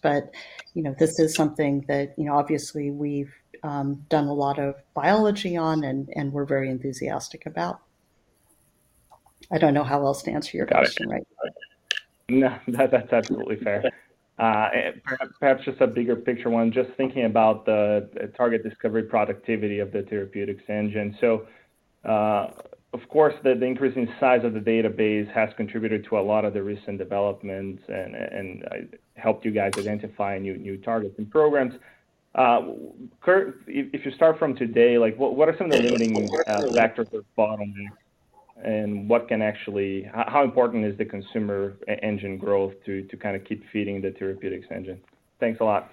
You know, this is something that, you know, obviously we've done a lot of biology on and we're very enthusiastic about. I don't know how else to answer your question, right? Got it. No, that's absolutely fair. Perhaps just a bigger picture one, just thinking about the target discovery productivity of the therapeutics engine. Of course, the increasing size of the database has contributed to a lot of the recent developments and helped you guys identify new targets and programs. Currently, if you start from today, like what are some of the limiting factors or bottlenecks and what can actually. How important is the consumer engine growth to kinda keep feeding the therapeutics engine? Thanks a lot.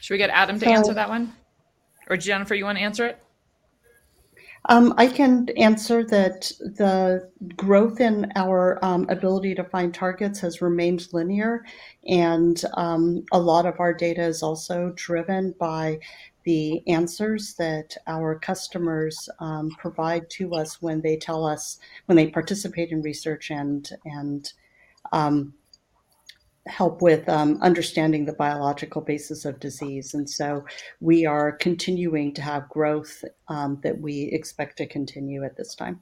Should we get Adam to answer that one? Or Jennifer, you wanna answer it? I can answer that the growth in our ability to find targets has remained linear, and a lot of our data is also driven by the answers that our customers provide to us when they participate in research and help with understanding the biological basis of disease. We are continuing to have growth that we expect to continue at this time.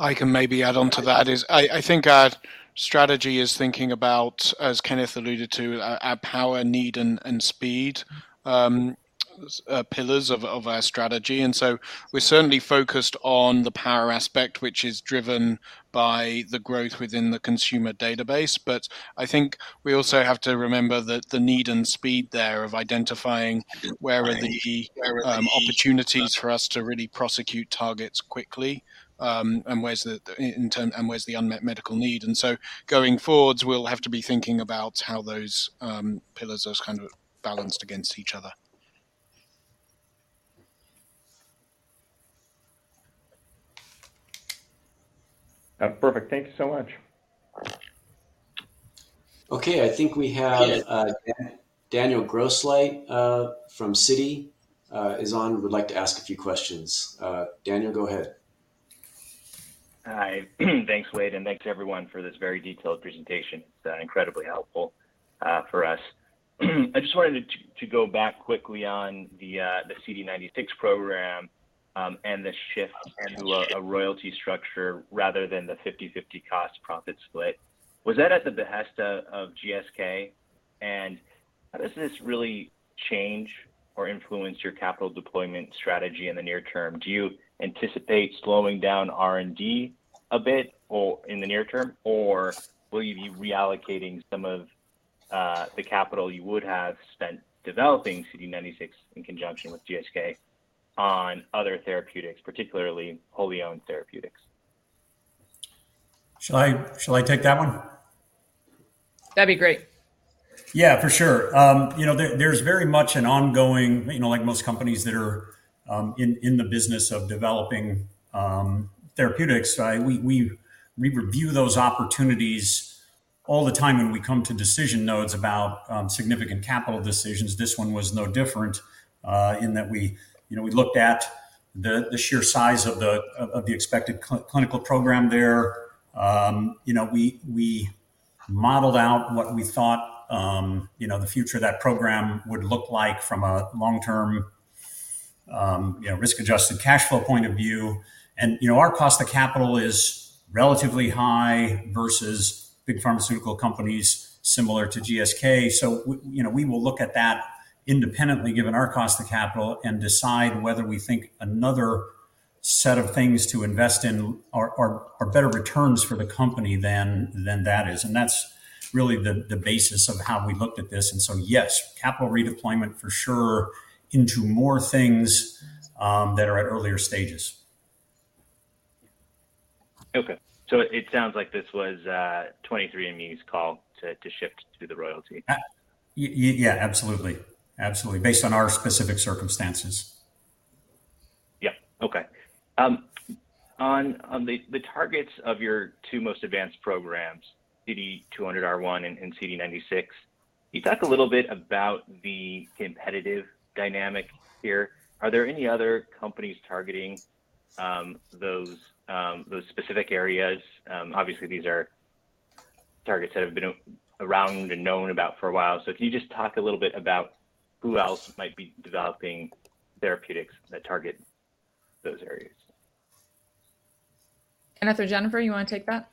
I can maybe add on to that. I think our strategy is thinking about, as Kenneth alluded to, our power, need, and speed pillars of our strategy. We're certainly focused on the power aspect, which is driven by the growth within the consumer database. I think we also have to remember that the need and speed thereof identifying where are the opportunities for us to really prosecute targets quickly, and where's the unmet medical need. Going forwards, we'll have to be thinking about how those pillars are kind of balanced against each other. Perfect. Thank you so much. Okay. I think we have Daniel Grosslight from Citi is on and would like to ask a few questions. Daniel, go ahead. Hi. Thanks, Wade, and thanks everyone for this very detailed presentation. It's incredibly helpful for us. I just wanted to go back quickly on the CD96 program and the shift to a royalty structure rather than the 50/50 cost profit split. Was that at the behest of GSK? How does this really change or influence your capital deployment strategy in the near term? Do you anticipate slowing down R&D a bit or in the near term, or will you be reallocating some of the capital you would have spent developing CD96 in conjunction with GSK on other therapeutics, particularly wholly owned therapeutics? Shall I take that one? That'd be great. Yeah, for sure. You know, there's very much an ongoing, you know, like most companies that are in the business of developing therapeutics, right? We review those opportunities all the time when we come to decision nodes about significant capital decisions. This one was no different in that we, you know, looked at the sheer size of the expected clinical program there. You know, we modeled out what we thought, you know, the future of that program would look like from a long-term, you know, risk-adjusted cash flow point of view. You know, our cost to capital is relatively high versus big pharmaceutical companies similar to GSK. You know, we will look at that independently given our cost to capital and decide whether we think another set of things to invest in are better returns for the company than that is. That's really the basis of how we looked at this. Yes, capital redeployment for sure into more things that are at earlier stages. Okay. It sounds like this was 23andMe's call to shift to the royalty. Yeah, absolutely. Based on our specific circumstances. Yeah. Okay. On the targets of your two most advanced programs, CD200R1 and CD96, can you talk a little bit about the competitive dynamic here? Are there any other companies targeting those specific areas? Obviously these are targets that have been around and known about for a while. Can you just talk a little bit about who else might be developing therapeutics that target those areas? Kenneth or Jennifer, you wanna take that?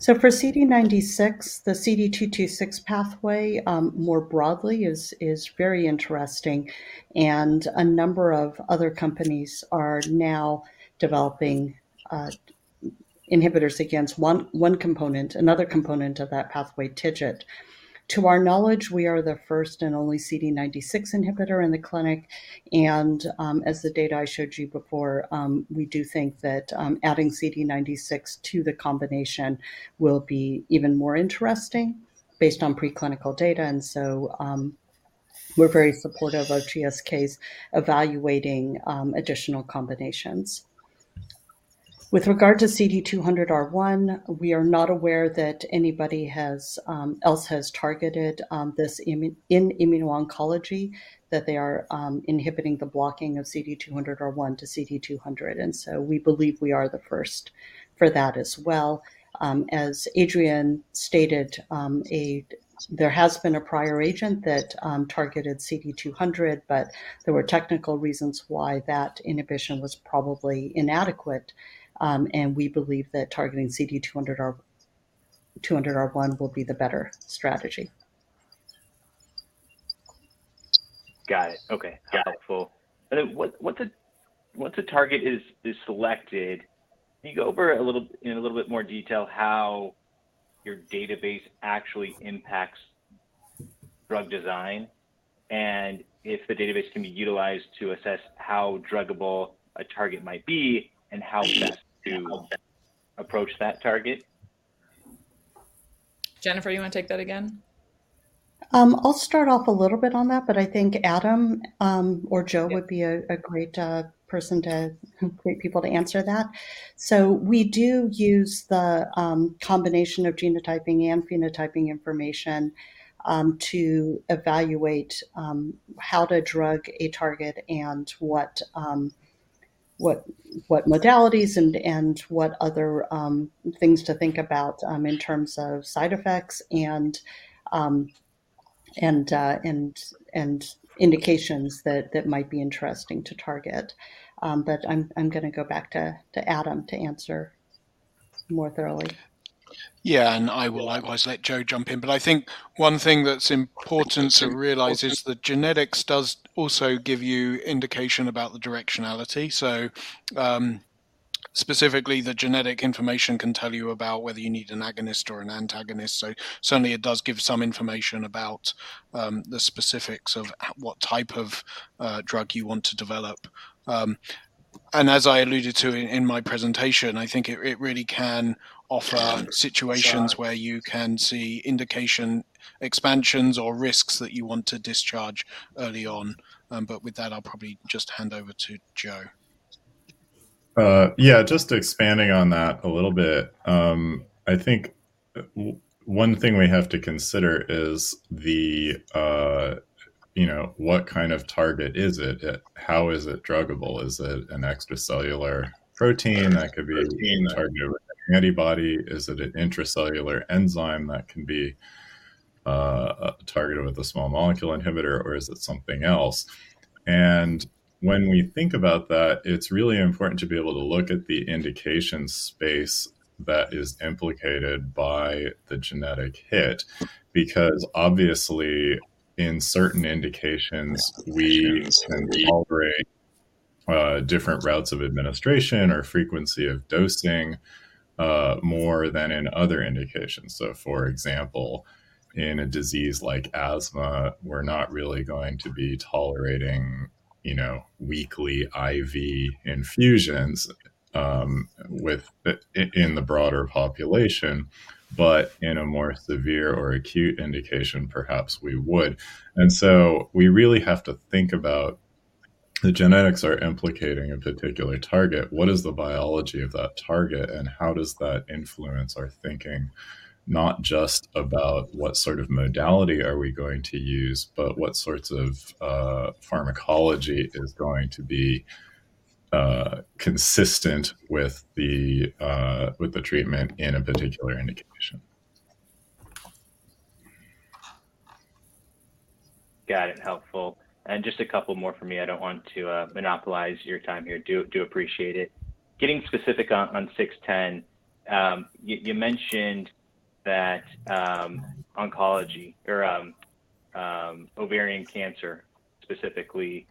For CD96, the CD226 pathway, more broadly is very interesting, and a number of other companies are now developing inhibitors against one component, another component of that pathway, TIGIT. To our knowledge, we are the first and only CD96 inhibitor in the clinic, and as the data I showed you before, we do think that adding CD96 to the combination will be even more interesting based on preclinical data. We're very supportive of GSK's evaluating additional combinations. With regard to CD200R1, we are not aware that anybody else has targeted this in immuno-oncology, that they are inhibiting the blocking of CD200R1-CD200, and so we believe we are the first for that as well. As Adrian stated, there has been a prior agent that targeted CD200, but there were technical reasons why that inhibition was probably inadequate. We believe that targeting CD200R1 will be the better strategy. Got it. Okay. Helpful. Once a target is selected, can you go over in a little bit more detail how your database actually impacts drug design? If the database can be utilized to assess how druggable a target might be and how best to approach that target. Jennifer, you wanna take that again? I'll start off a little bit on that, but I think Adam or Joe would be great people to answer that. We do use the combination of genotyping and phenotyping information to evaluate how to drug a target and what modalities and what other things to think about in terms of side effects and indications that might be interesting to target. I'm gonna go back to Adam to answer more thoroughly. Yeah. I will likewise let Joe jump in. I think one thing that's important to realize is that genetics does also give you indication about the directionality. Specifically, the genetic information can tell you about whether you need an agonist or an antagonist. Certainly it does give some information about the specifics of at what type of drug you want to develop. As I alluded to in my presentation, I think it really can offer situations where you can see indication expansions or risks that you want to discharge early on. With that, I'll probably just hand over to Joe. Yeah, just expanding on that a little bit. I think one thing we have to consider is the, you know, what kind of target is it? How is it druggable? Is it an extracellular protein that could be targeted with an antibody? Is it an intracellular enzyme that can be targeted with a small molecule inhibitor, or is it something else? When we think about that, it's really important to be able to look at the indication space that is implicated by the genetic hit. Because obviously, in certain indications, we can tolerate different routes of administration or frequency of dosing more than in other indications. For example, in a disease like asthma, we're not really going to be tolerating, you know, weekly IV infusions within the broader population, but in a more severe or acute indication, perhaps we would. We really have to think about the genetics are implicating a particular target. What is the biology of that target, and how does that influence our thinking, not just about what sort of modality are we going to use, but what sorts of pharmacology is going to be consistent with the treatment in a particular indication. Got it. Helpful. Just a couple more from me. I don't want to monopolize your time here. Do appreciate it. Getting specific on 23Me-00610. You mentioned that oncology or ovarian cancer specifically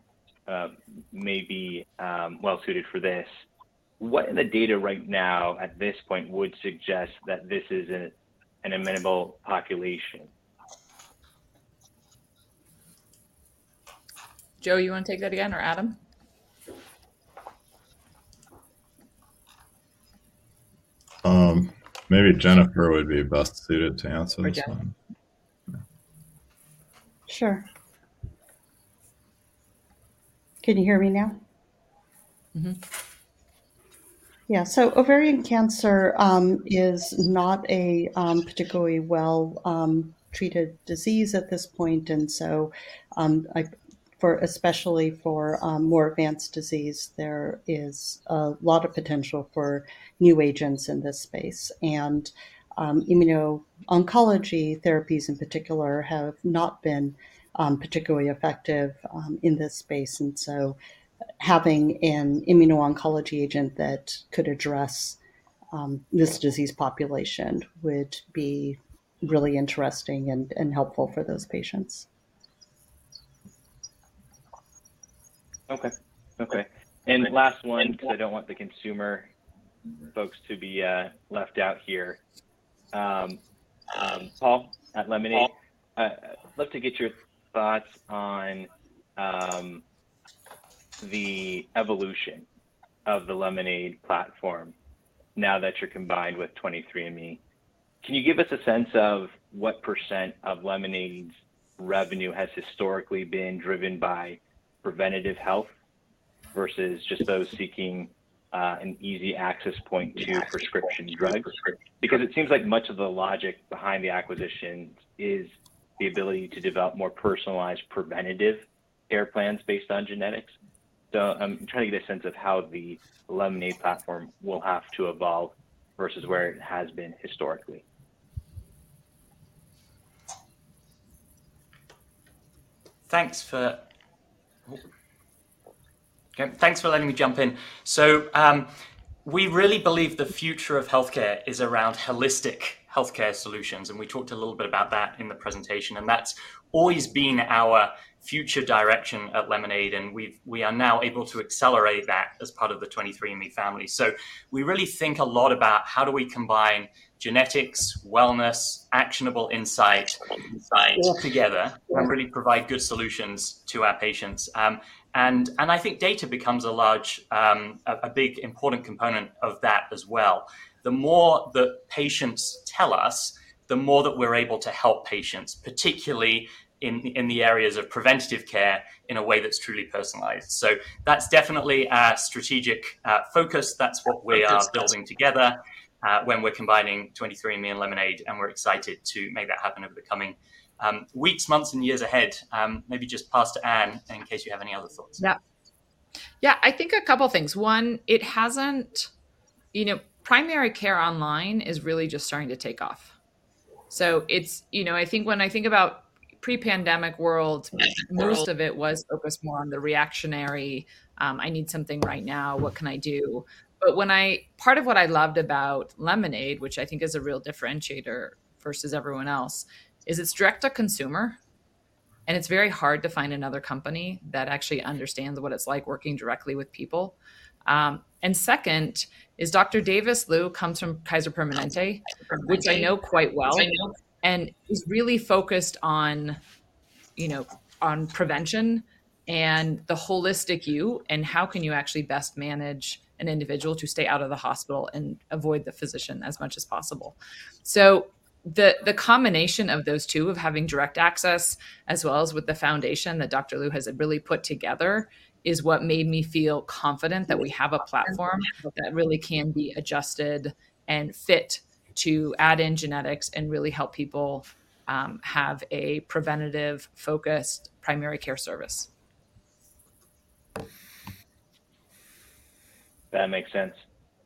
may be well suited for this. What in the data right now at this point would suggest that this is an amenable population? Joe, you wanna take that again, or Adam? Maybe Jennifer would be best suited to answer this one. Joe. Sure. Can you hear me now? Mm-hmm. Yeah. Ovarian cancer is not a particularly well treated disease at this point. Especially for more advanced disease, there is a lot of potential for new agents in this space. Immuno-oncology therapies in particular have not been particularly effective in this space. Having an immuno-oncology agent that could address this disease population would be really interesting and helpful for those patients. Okay. Last one, because I don't want the consumer folks to be left out here. Paul at Lemonaid, I'd love to get your thoughts on the evolution of the Lemonaid platform now that you're combined with 23andMe. Can you give us a sense of what percent of Lemonaid's revenue has historically been driven by preventative health versus just those seeking an easy access point to prescription drugs? Because it seems like much of the logic behind the acquisition is the ability to develop more personalized preventative care plans based on genetics. I'm trying to get a sense of how the Lemonaid platform will have to evolve versus where it has been historically. Thanks for-- Okay. Thanks for letting me jump in. We really believe the future of healthcare is around holistic healthcare solutions, and we talked a little bit about that in the presentation and that's always been our future direction at Lemonaid, and we are now able to accelerate that as part of the 23andMe family. We really think a lot about how do we combine genetics, wellness, actionable insight- Insight. ...all together and really provide good solutions to our patients. I think data becomes a large, a big important component of that as well. The more the patients tell us, the more that we're able to help patients, particularly in the areas of preventative care in a way that's truly personalized. That's definitely our strategic focus. That's what we are- Focus. ...building together, when we're combining 23andMe and Lemonaid, and we're excited to make that happen over the coming weeks, months, and years ahead. Maybe just pass to Anne in case you have any other thoughts. Yeah. Yeah, I think a couple things. One, it hasn't. You know, primary care online is really just starting to take off. It's, you know, I think when I think about pre-pandemic world- World.... most of it was focused more on the reactionary, I need something right now, what can I do? Part of what I loved about Lemonaid, which I think is a real differentiator versus everyone else, is it's direct to consumer, and it's very hard to find another company that actually understands what it's like working directly with people. Second is Dr. Davis Liu comes from Kaiser Permanente- Kaiser Permanente. ...which I know quite well, and is really focused on, you know, on prevention and the holistic you, and how can you actually best manage an individual to stay out of the hospital and avoid the physician as much as possible. The combination of those two, of having direct access as well as with the foundation that Dr. Liu has really put together, is what made me feel confident that we have a platform that really can be adjusted and fit to add in genetics and really help people have a preventative-focused primary care service. That makes sense.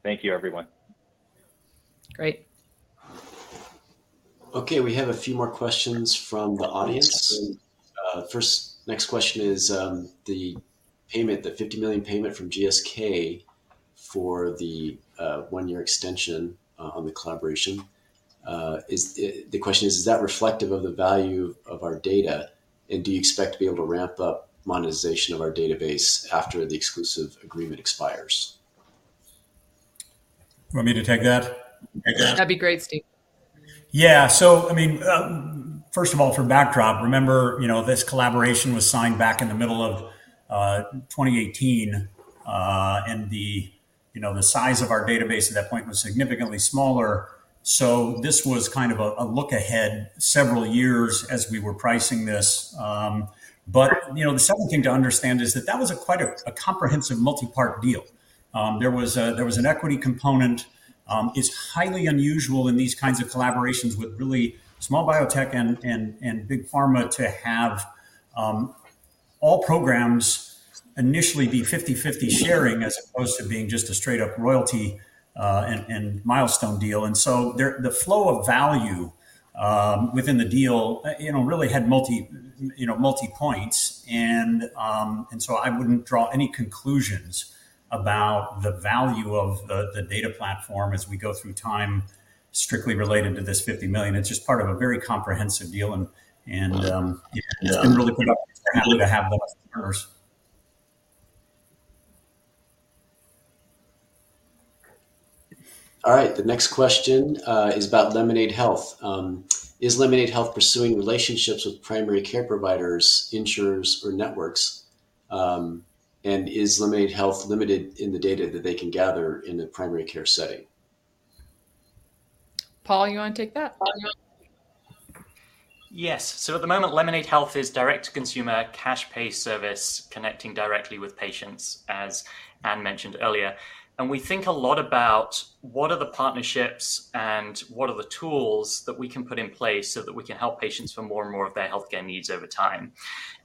Thank you, everyone. Great. Okay. We have a few more questions from the audience. First, next question is, the payment, the $50 million payment from GSK for the one year extension on the collaboration. The question is that reflective of the value of our data, and do you expect to be able to ramp up monetization of our database after the exclusive agreement expires? Want me to take that? Take that. That'd be great, Steve. Yeah. I mean, first of all, for background, remember, you know, this collaboration was signed back in the middle of 2018. The size of our database at that point was significantly smaller. This was kind of a look ahead several years as we were pricing this. But, you know, the second thing to understand is that that was quite a comprehensive multi-part deal. There was an equity component. It's highly unusual in these kinds of collaborations with really small biotech and big pharma to have all programs initially be 50/50 sharing as opposed to being just a straight up royalty and milestone deal. The flow of value within the deal, you know, really had multiple points, and I wouldn't draw any conclusions about the value of the data platform as we go through time strictly related to this $50 million. It's just part of a very comprehensive deal, and it's been really productive to have those partners. All right, the next question is about Lemonaid Health. Is Lemonaid Health pursuing relationships with primary care providers, insurers, or networks? Is Lemonaid Health limited in the data that they can gather in the primary care setting? Paul, you wanna take that? Yes. At the moment, Lemonaid Health is direct to consumer cash pay service connecting directly with patients, as Anne mentioned earlier. We think a lot about what are the partnerships and what are the tools that we can put in place so that we can help patients for more and more of their healthcare needs over time.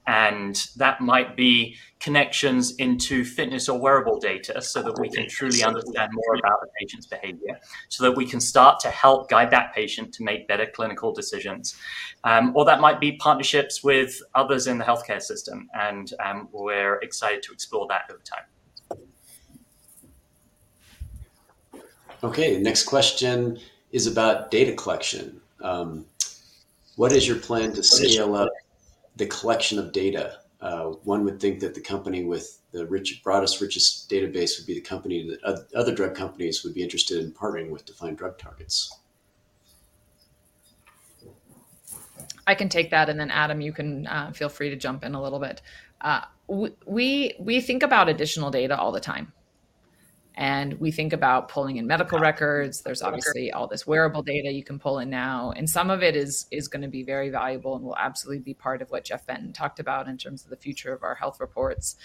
That might be connections into fitness or wearable data so that we can truly understand more about the patient's behavior, so that we can start to help guide that patient to make better clinical decisions. Or that might be partnerships with others in the healthcare system and, we're excited to explore that over time. Okay. Next question is about data collection. What is your plan to scale up the collection of data? One would think that the company with the broadest, richest database would be the company that other drug companies would be interested in partnering with to find drug targets. I can take that, and then Adam, you can feel free to jump in a little bit. We think about additional data all the time, and we think about pulling in medical records. There's obviously all this wearable data you can pull in now, and some of it is gonna be very valuable and will absolutely be part of what Jeff Benton talked about in terms of the future of our health reports.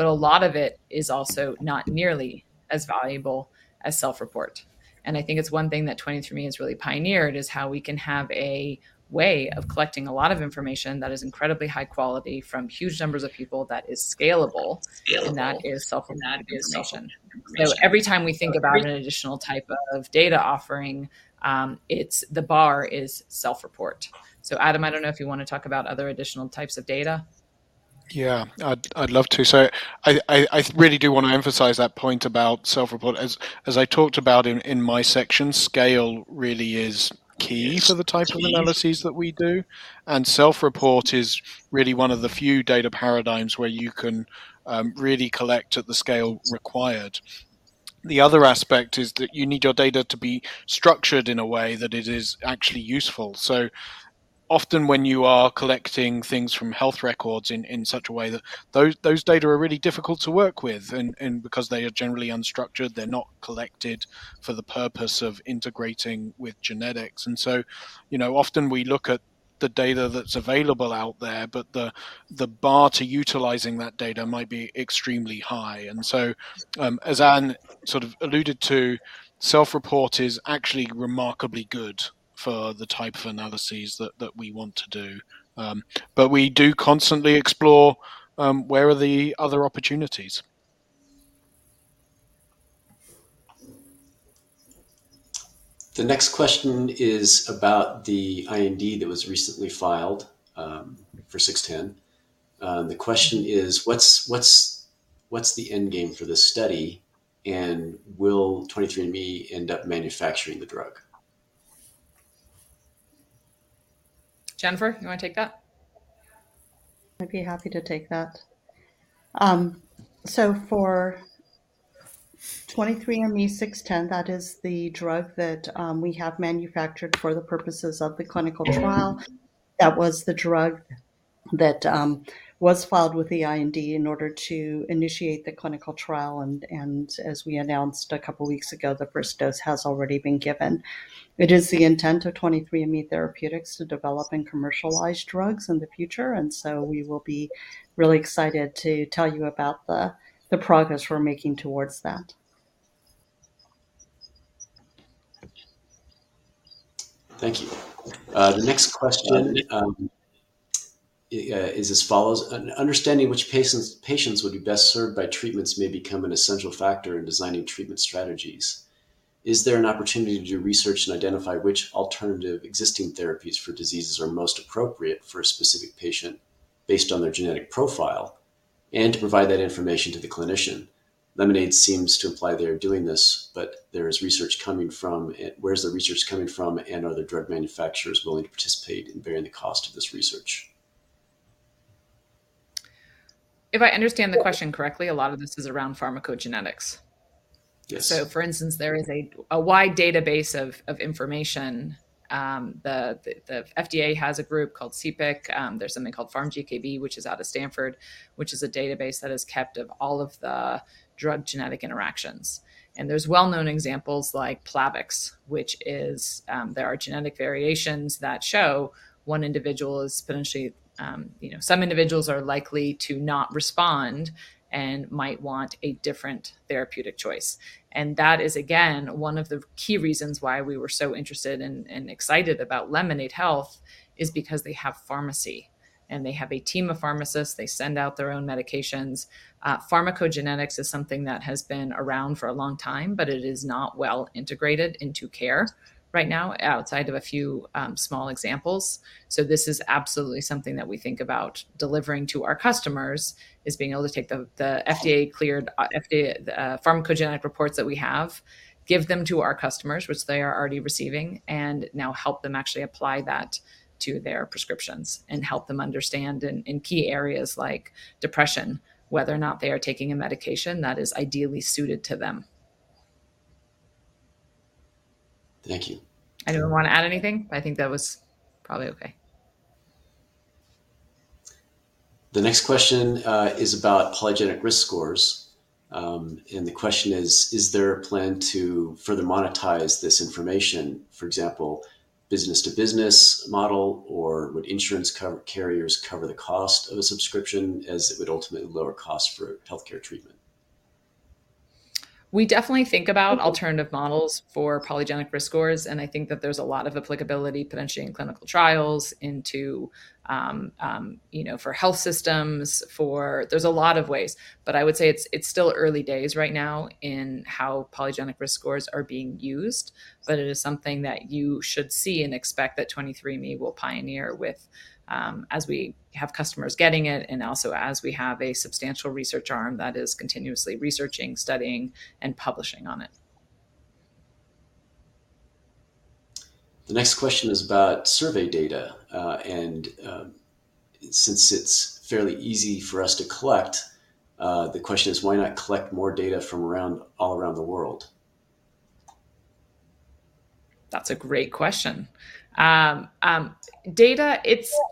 A lot of it is also not nearly as valuable as self-report. I think it's one thing that 23andMe has really pioneered, is how we can have a way of collecting a lot of information that is incredibly high quality from huge numbers of people that is scalable- Scalable. ...that is self-reported information. Every time we think about an additional type of data offering, it's the bar is self-report. Adam, I don't know if you wanna talk about other additional types of data. Yeah, I'd love to. I really do wanna emphasize that point about self-report. As I talked about in my section, scale really is key- Yes, key. ...for the type of analyses that we do, and self-report is really one of the few data paradigms where you can really collect at the scale required. The other aspect is that you need your data to be structured in a way that it is actually useful. Often when you are collecting things from health records in such a way that those data are really difficult to work with and because they are generally unstructured, they're not collected for the purpose of integrating with genetics. You know, often we look at the data that's available out there, but the bar to utilizing that data might be extremely high. As Anne sort of alluded to, self-report is actually remarkably good for the type of analyses that we want to do. We do constantly explore where are the other opportunities. The next question is about the IND that was recently filed for 23Me-00610. The question is, what's the end game for this study, and will 23andMe end up manufacturing the drug? Jennifer, you wanna take that? I'd be happy to take that. For 23Me-00610, that is the drug that we have manufactured for the purposes of the clinical trial. That was the drug that was filed with the IND in order to initiate the clinical trial and as we announced a couple weeks ago, the first dose has already been given. It is the intent of 23andMe Therapeutics to develop and commercialize drugs in the future, and so we will be really excited to tell you about the progress we're making towards that. Thank you. The next question is as follows: Understanding which patients would be best served by treatments may become an essential factor in designing treatment strategies. Is there an opportunity to do research and identify which alternative existing therapies for diseases are most appropriate for a specific patient based on their genetic profile and to provide that information to the clinician? Lemonaid seems to imply they are doing this, but there is research coming from. Where is the research coming from, and are the drug manufacturers willing to participate in bearing the cost of this research? If I understand the question correctly, a lot of this is around pharmacogenetics. Yes. For instance, there is a wide database of information. The FDA has a group called CPIC. There's something called PharmGKB which is out of Stanford, which is a database that is kept of all of the drug-gene interactions. There's well-known examples like Plavix, which is, there are genetic variations that show one individual is potentially, you know, some individuals are likely to not respond and might want a different therapeutic choice. That is, again, one of the key reasons why we were so interested and excited about Lemonaid Health is because they have pharmacy, and they have a team of pharmacists. They send out their own medications. Pharmacogenetics is something that has been around for a long time, but it is not well integrated into care right now outside of a few small examples. This is absolutely something that we think about delivering to our customers is being able to take the FDA-cleared FDA pharmacogenetic reports that we have, give them to our customers, which they are already receiving, and now help them actually apply that to their prescriptions and help them understand in key areas like depression whether or not they are taking a medication that is ideally suited to them. Thank you. Anyone wanna add anything? I think that was probably okay. The next question is about polygenic risk scores. The question is there a plan to further monetize this information? For example, business-to-business model, or would insurance carriers cover the cost of a subscription as it would ultimately lower cost for healthcare treatment? We definitely think about alternative models for polygenic risk scores, and I think that there's a lot of applicability potentially in clinical trials for health systems. There's a lot of ways, but I would say it's still early days right now in how polygenic risk scores are being used. It is something that you should see and expect that 23andMe will pioneer with, as we have customers getting it and also as we have a substantial research arm that is continuously researching, studying, and publishing on it. The next question is about survey data. Since it's fairly easy for us to collect, the question is, why not collect more data from around, all around the world? That's a great question.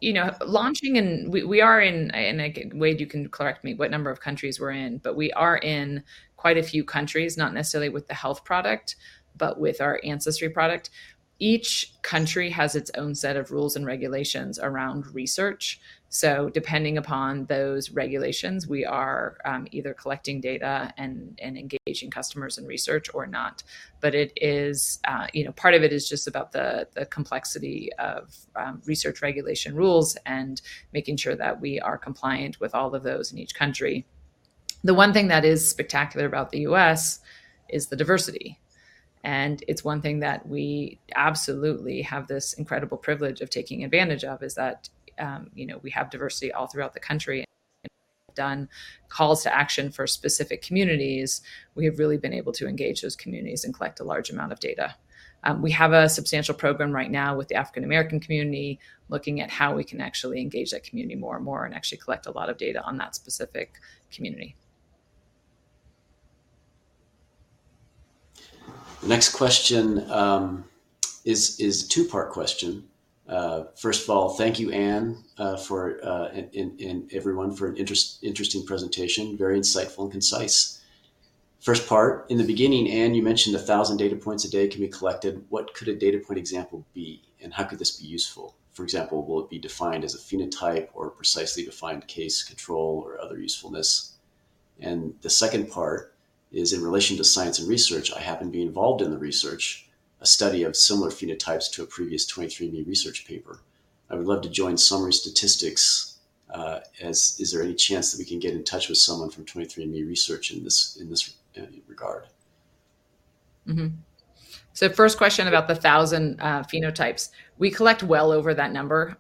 You know, launching and we are in, Wade, you can correct me what number of countries we're in, but we are in quite a few countries, not necessarily with the health product, but with our ancestry product. Each country has its own set of rules and regulations around research. Depending upon those regulations, we are either collecting data and engaging customers in research or not. It is you know part of it is just about the complexity of research regulatory rules and making sure that we are compliant with all of those in each country. The one thing that is spectacular about the U.S. is the diversity. It's one thing that we absolutely have this incredible privilege of taking advantage of, is that, you know, we have diversity all throughout the country and done calls to action for specific communities. We have really been able to engage those communities and collect a large amount of data. We have a substantial program right now with the African American community, looking at how we can actually engage that community more and more and actually collect a lot of data on that specific community. The next question is a two-part question. First of all, thank you, Anne, and everyone for an interesting presentation. Very insightful and concise. First part, in the beginning, Anne, you mentioned 1,000 data points a day can be collected. What could a data point example be, and how could this be useful? For example, will it be defined as a phenotype or a precisely defined case control or other usefulness? The second part is in relation to science and research. I happen to be involved in the research, a study of similar phenotypes to a previous 23andMe research paper. I would love to obtain summary statistics, or is there any chance that we can get in touch with someone from 23andMe Research in this regard? First question about the 1,000 phenotypes. We collect well over that number.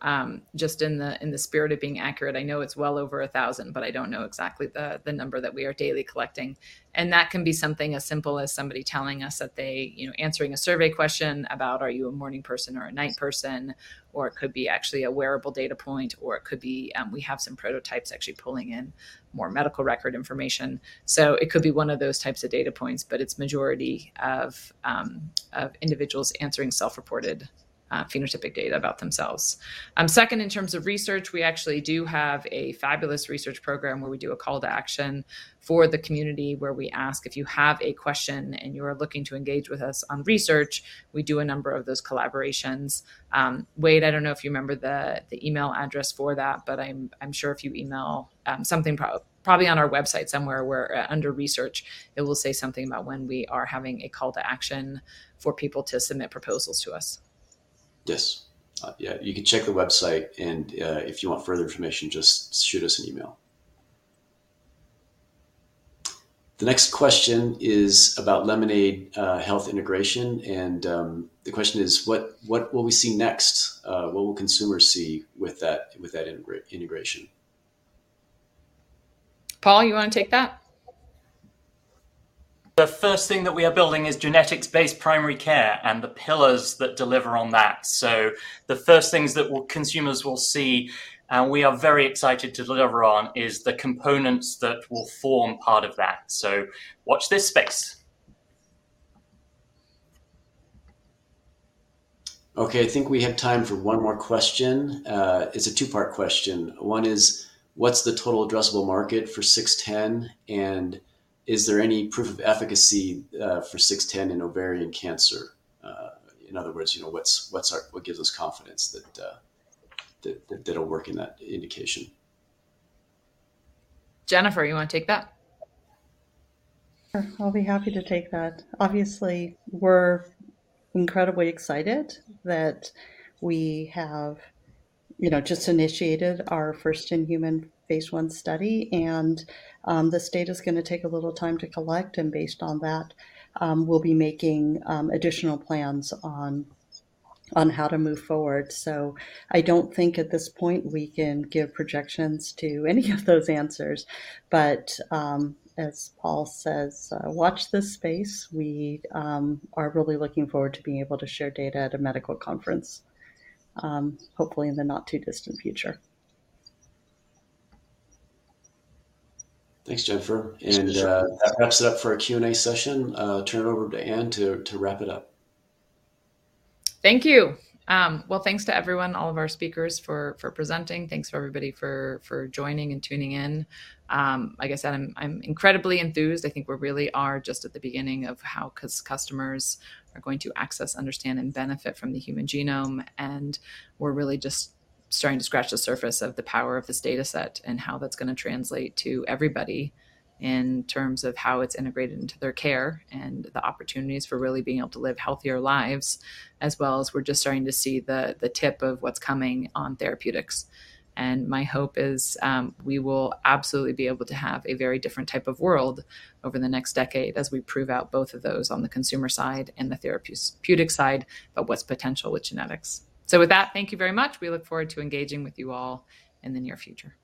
Just in the spirit of being accurate, I know it's well over 1,000, but I don't know exactly the number that we are daily collecting and that can be something as simple as somebody telling us that they, you know, answering a survey question about are you a morning person or a night person, or it could be actually a wearable data point or it could be, we have some prototypes actually pulling in more medical record information. It could be one of those types of data points, but it's majority of individuals answering self-reported phenotypic data about themselves. Second, in terms of research, we actually do have a fabulous research program where we do a call to action for the community where we ask if you have a question and you're looking to engage with us on research. We do a number of those collaborations. Wade, I don't know if you remember the email address for that, but I'm sure if you email something probably on our website somewhere where under research it will say something about when we are having a call to action for people to submit proposals to us. Yes. You can check the website and, if you want further information, just shoot us an email. The next question is about Lemonaid Health integration and, the question is what will we see next? What will consumers see with that integration? Paul, you wanna take that? The first thing that we are building is genetics-based primary care and the pillars that deliver on that. The first things that consumers will see, and we are very excited to deliver on, is the components that will form part of that. Watch this space. Okay. I think we have time for one more question. It's a two-part question. One is what's the total addressable market for 23Me-00610, and is there any proof of efficacy for 23Me-00610 in ovarian cancer? In other words, you know, what gives us confidence that that'll work in that indication? Jennifer, you wanna take that? Sure. I'll be happy to take that. Obviously we're incredibly excited that we have, you know, just initiated our first in-human phase I study and this data's gonna take a little time to collect and based on that, we'll be making additional plans on how to move forward. I don't think at this point we can give projections to any of those answers. As Paul says, watch this space. We are really looking forward to being able to share data at a medical conference, hopefully in the not too distant future. Thanks, Jennifer. That wraps it up for our Q&A session. Turn it over to Anne to wrap it up. Thank you. Well, thanks to everyone, all of our speakers for presenting. Thanks to everybody for joining and tuning in. Like I said, I'm incredibly enthused. I think we really are just at the beginning of how customers are going to access, understand and benefit from the human genome and we're really just starting to scratch the surface of the power of this data set and how that's gonna translate to everybody in terms of how it's integrated into their care and the opportunities for really being able to live healthier lives, as well as we're just starting to see the tip of what's coming on therapeutics. My hope is, we will absolutely be able to have a very different type of world over the next decade as we prove out both of those on the consumer side and the therapeutic side about what's potential with genetics. With that, thank you very much. We look forward to engaging with you all in the near future.